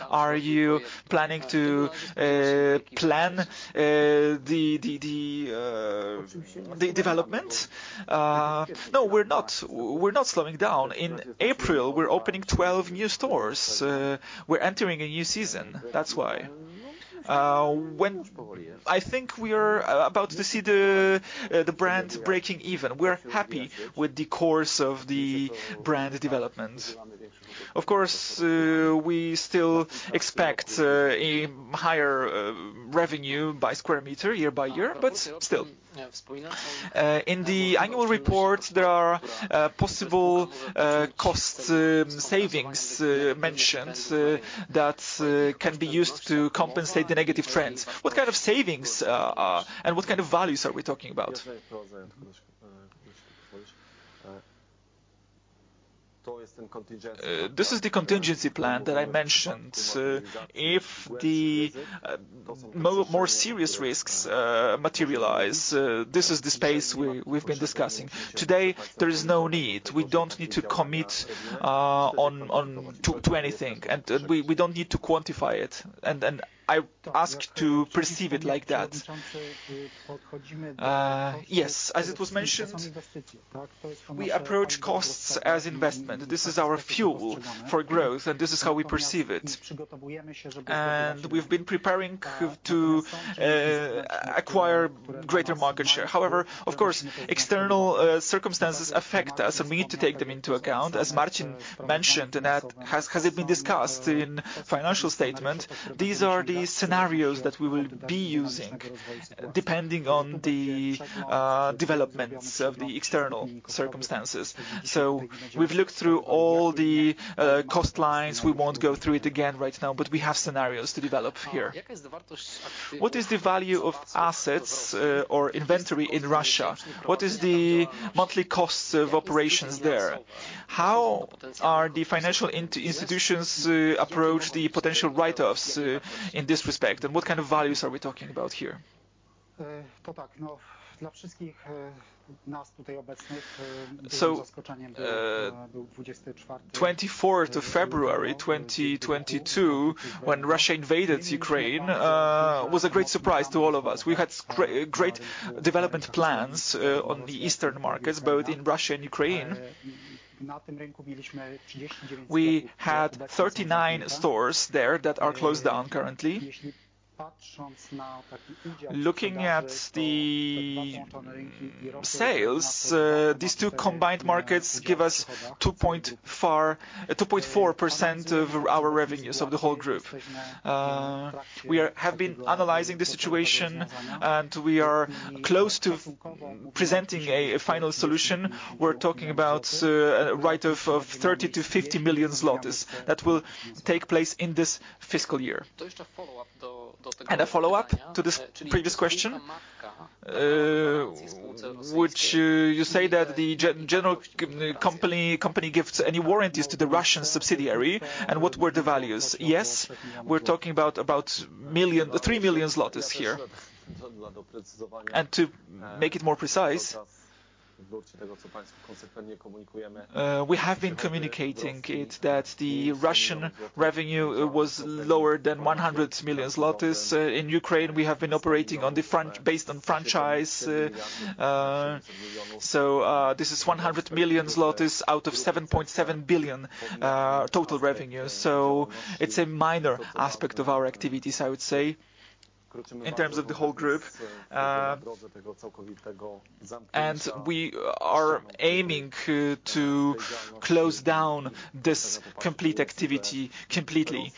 Are you planning to plan the development? No, we're not. We're not slowing down. In April, we're opening 12 new stores. We're entering a new season, that's why. I think we are about to see the brand breaking even. We're happy with the course of the brand development. Of course, we still expect a higher revenue by square meter year-over-year, but still. In the annual report, there are possible cost savings mentions that can be used to compensate the negative trends. What kind of savings are and what kind of values are we talking about? This is the contingency plan that I mentioned. If the more serious risks materialize, this is the space we've been discussing. Today, there is no need. We don't need to commit to anything, and we don't need to quantify it. I ask to perceive it like that. Yes, as it was mentioned, we approach costs as investment. This is our fuel for growth, and this is how we perceive it. We've been preparing to acquire greater market share. However, of course, external circumstances affect us and we need to take them into account. As Marcin mentioned, and that has been discussed in financial statement, these are the scenarios that we will be using depending on the developments of the external circumstances. We've looked through all the cost lines. We won't go through it again right now, but we have scenarios to develop here. What is the value of assets or inventory in Russia? What is the monthly costs of operations there? How are the financial institutions approach the potential write-offs in this respect, and what kind of values are we talking about here? February 24, 2022, when Russia invaded Ukraine, was a great surprise to all of us. We had great development plans on the eastern markets, both in Russia and Ukraine. We had 39 stores there that are closed down currently. Looking at the sales, these two combined markets give us 2.4% of our revenues of the whole group. We have been analyzing the situation, and we are close to presenting a final solution. We're talking about a write-off of 30 million-50 million zlotys that will take place in this fiscal year. A follow-up to this previous question. Would you say that the general company gives any warranties to the Russian subsidiary, and what were the values? Yes, we're talking about three million PLN here. To make it more precise, we have been communicating it that the Russian revenue was lower than 100 million zlotys. In Ukraine, we have been operating based on franchise. This is 100 million zlotys out of 7.7 billion total revenue. It's a minor aspect of our activities, I would say, in terms of the whole group. We are aiming to close down this complete activity completely.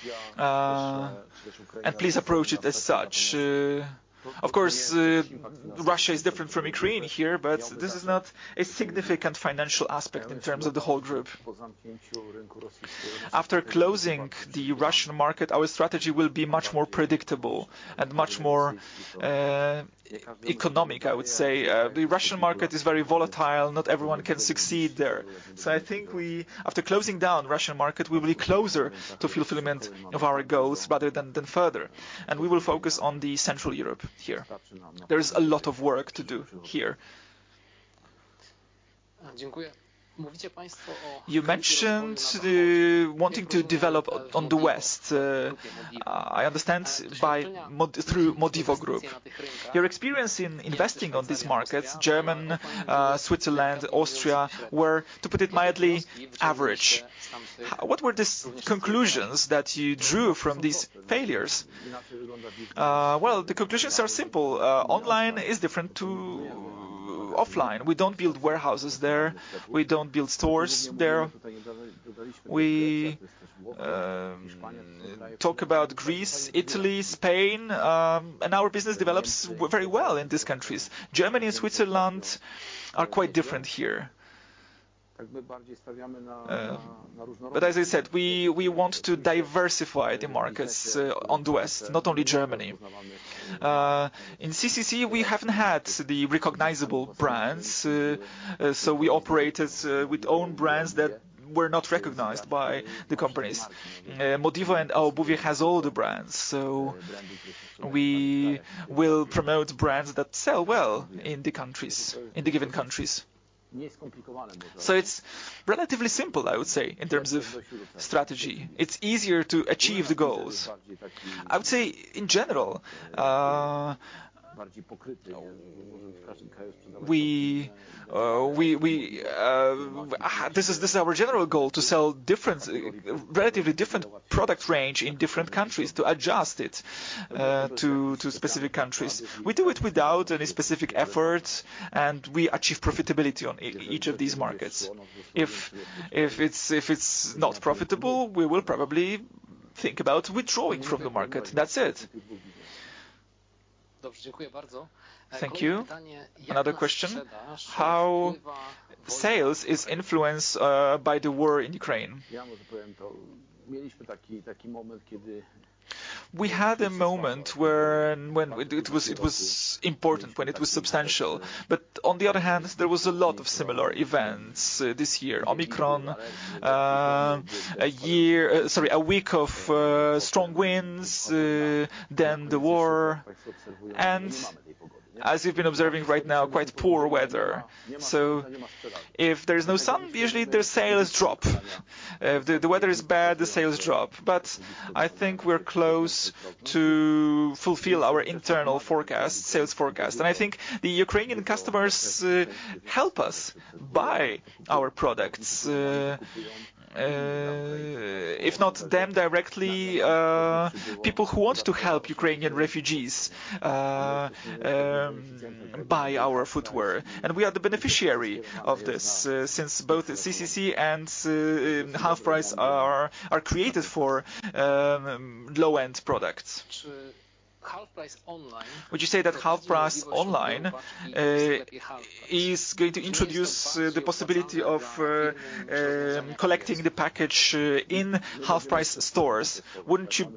Please approach it as such. Russia is different from Ukraine here, but this is not a significant financial aspect in terms of the whole group. After closing the Russian market, our strategy will be much more predictable and much more economic, I would say. The Russian market is very volatile. Not everyone can succeed there. I think we, after closing down Russian market, we'll be closer to fulfillment of our goals rather than further, and we will focus on Central Europe here. There is a lot of work to do here. You mentioned wanting to develop on the West. I understand through Modivo Group. Your experience in investing on these markets, Germany, Switzerland, Austria, were, to put it mildly, average. What were the conclusions that you drew from these failures? Well, the conclusions are simple. Online is different to offline. We don't build warehouses there. We don't build stores there. We talk about Greece, Italy, Spain, and our business develops very well in these countries. Germany and Switzerland are quite different here. As I said, we want to diversify the markets in the West, not only Germany. In CCC, we haven't had the recognizable brands, so we operated with own brands that were not recognized by the customers. Modivo and eobuwie has all the brands, so we will promote brands that sell well in the countries, in the given countries. It's relatively simple, I would say, in terms of strategy. It's easier to achieve the goals. I would say in general, this is our general goal to sell relatively different product range in different countries to adjust it to specific countries. We do it without any specific efforts, and we achieve profitability on each of these markets. If it's not profitable, we will probably think about withdrawing from the market. That's it. Thank you. Another question: How sales is influenced by the war in Ukraine? We had a moment where it was important, when it was substantial. On the other hand, there was a lot of similar events this year. Omicron, a week of strong winds, then the war. As you've been observing right now, quite poor weather. If there is no sun, usually the sales drop. If the weather is bad, the sales drop. I think we're close to fulfill our internal forecast, sales forecast. I think the Ukrainian customers help us buy our products. If not them directly, people who want to help Ukrainian refugees buy our footwear. We are the beneficiary of this, since both CCC and HalfPrice are created for low-end products. HalfPrice online—would you say that HalfPrice online is going to introduce the possibility of collecting the package in HalfPrice stores? Wouldn't you...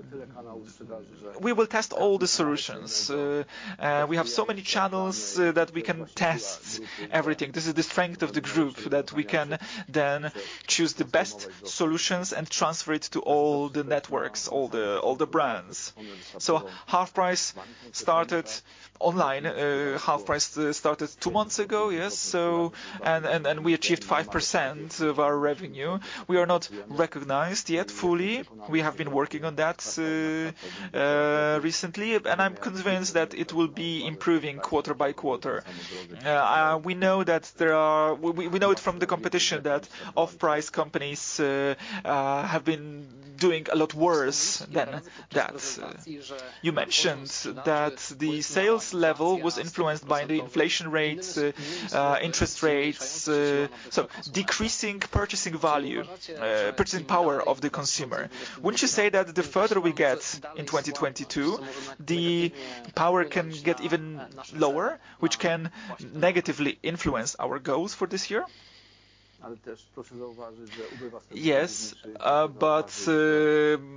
We will test all the solutions. We have so many channels that we can test everything. This is the strength of the group, that we can then choose the best solutions and transfer it to all the networks, all the brands. HalfPrice started online. HalfPrice started two months ago. Yes. We achieved 5% of our revenue. We are not recognized yet fully. We have been working on that recently. I'm convinced that it will be improving quarter by quarter. We know it from the competition, that off-price companies have been doing a lot worse than that. You mentioned that the sales level was influenced by the inflation rates, interest rates, so decreasing purchasing value, purchasing power of the consumer. Wouldn't you say that the further we get in 2022, the power can get even lower, which can negatively influence our goals for this year? Yes.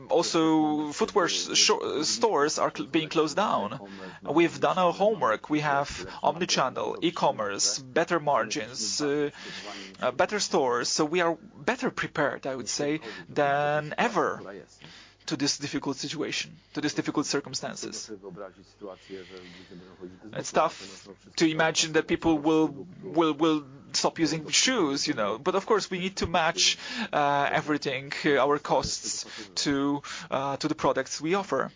Also footwear stores are being closed down. We've done our homework. We have omnichannel, e-commerce, better margins, better stores, so we are better prepared, I would say, than ever to this difficult situation, to these difficult circumstances. It's tough to imagine that people will stop using shoes, you know. Of course, we need to match everything, our costs to the products we offer.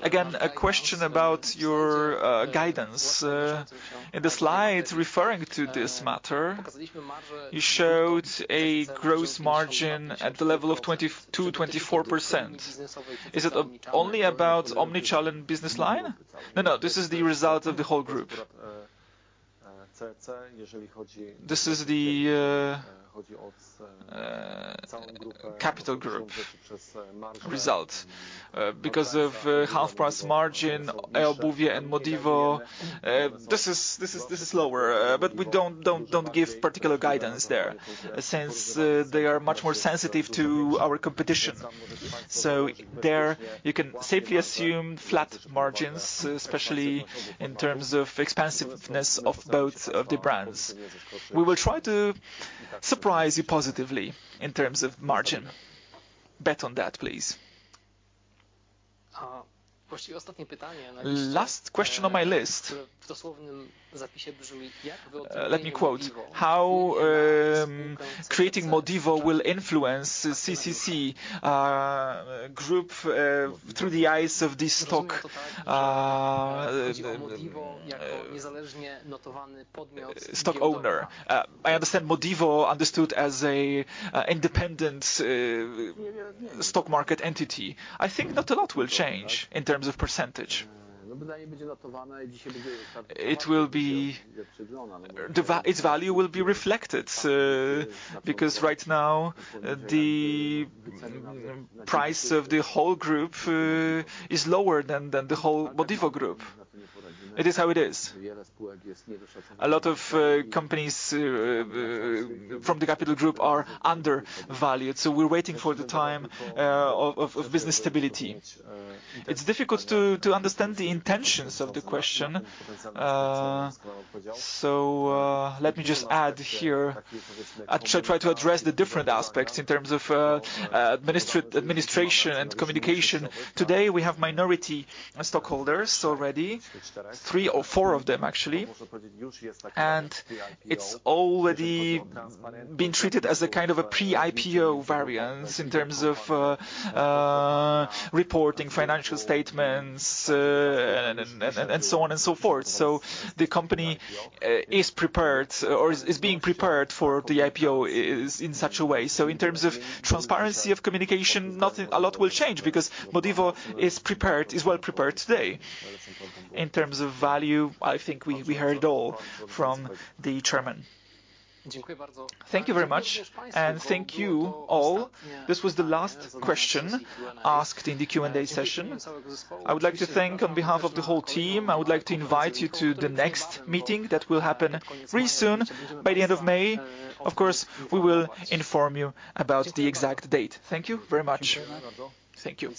Again, a question about your guidance. In the slides referring to this matter, you showed a gross margin at the level of 22%-24%. Is it only about omnichannel and business line? No. This is the result of the whole group. This is the capital group result. Because of HalfPrice margin, eobuwie.pl and Modivo, this is lower. But we don't give particular guidance there since they are much more sensitive to our competition. So there, you can safely assume flat margins, especially in terms of expansiveness of both of the brands. We will try to surprise you positively in terms of margin. Bet on that, please. Last question on my list. Let me quote: How creating Modivo will influence CCC Group through the eyes of this stock owner? I understand Modivo understood as a independent stock market entity. I think not a lot will change in terms of percentage. It will be. Its value will be reflected because right now the price of the whole group is lower than the whole Modivo group. It is how it is. A lot of companies from the capital group are undervalued, so we're waiting for the time of business stability. It's difficult to understand the intentions of the question, so let me just add here. I try to address the different aspects in terms of administration and communication. Today, we have minority stockholders already, three or four of them actually. It's already been treated as a kind of a pre-IPO variance in terms of reporting financial statements, and so on and so forth. The company is prepared or is being prepared for the IPO in such a way. In terms of transparency of communication, nothing a lot will change because Modivo is prepared, is well prepared today. In terms of value, I think we heard it all from the chairman. Thank you very much, and thank you all. This was the last question asked in the Q&A session. I would like to thank on behalf of the whole team. I would like to invite you to the next meeting that will happen really soon, by the end of May. Of course, we will inform you about the exact date. Thank you very much. Thank you.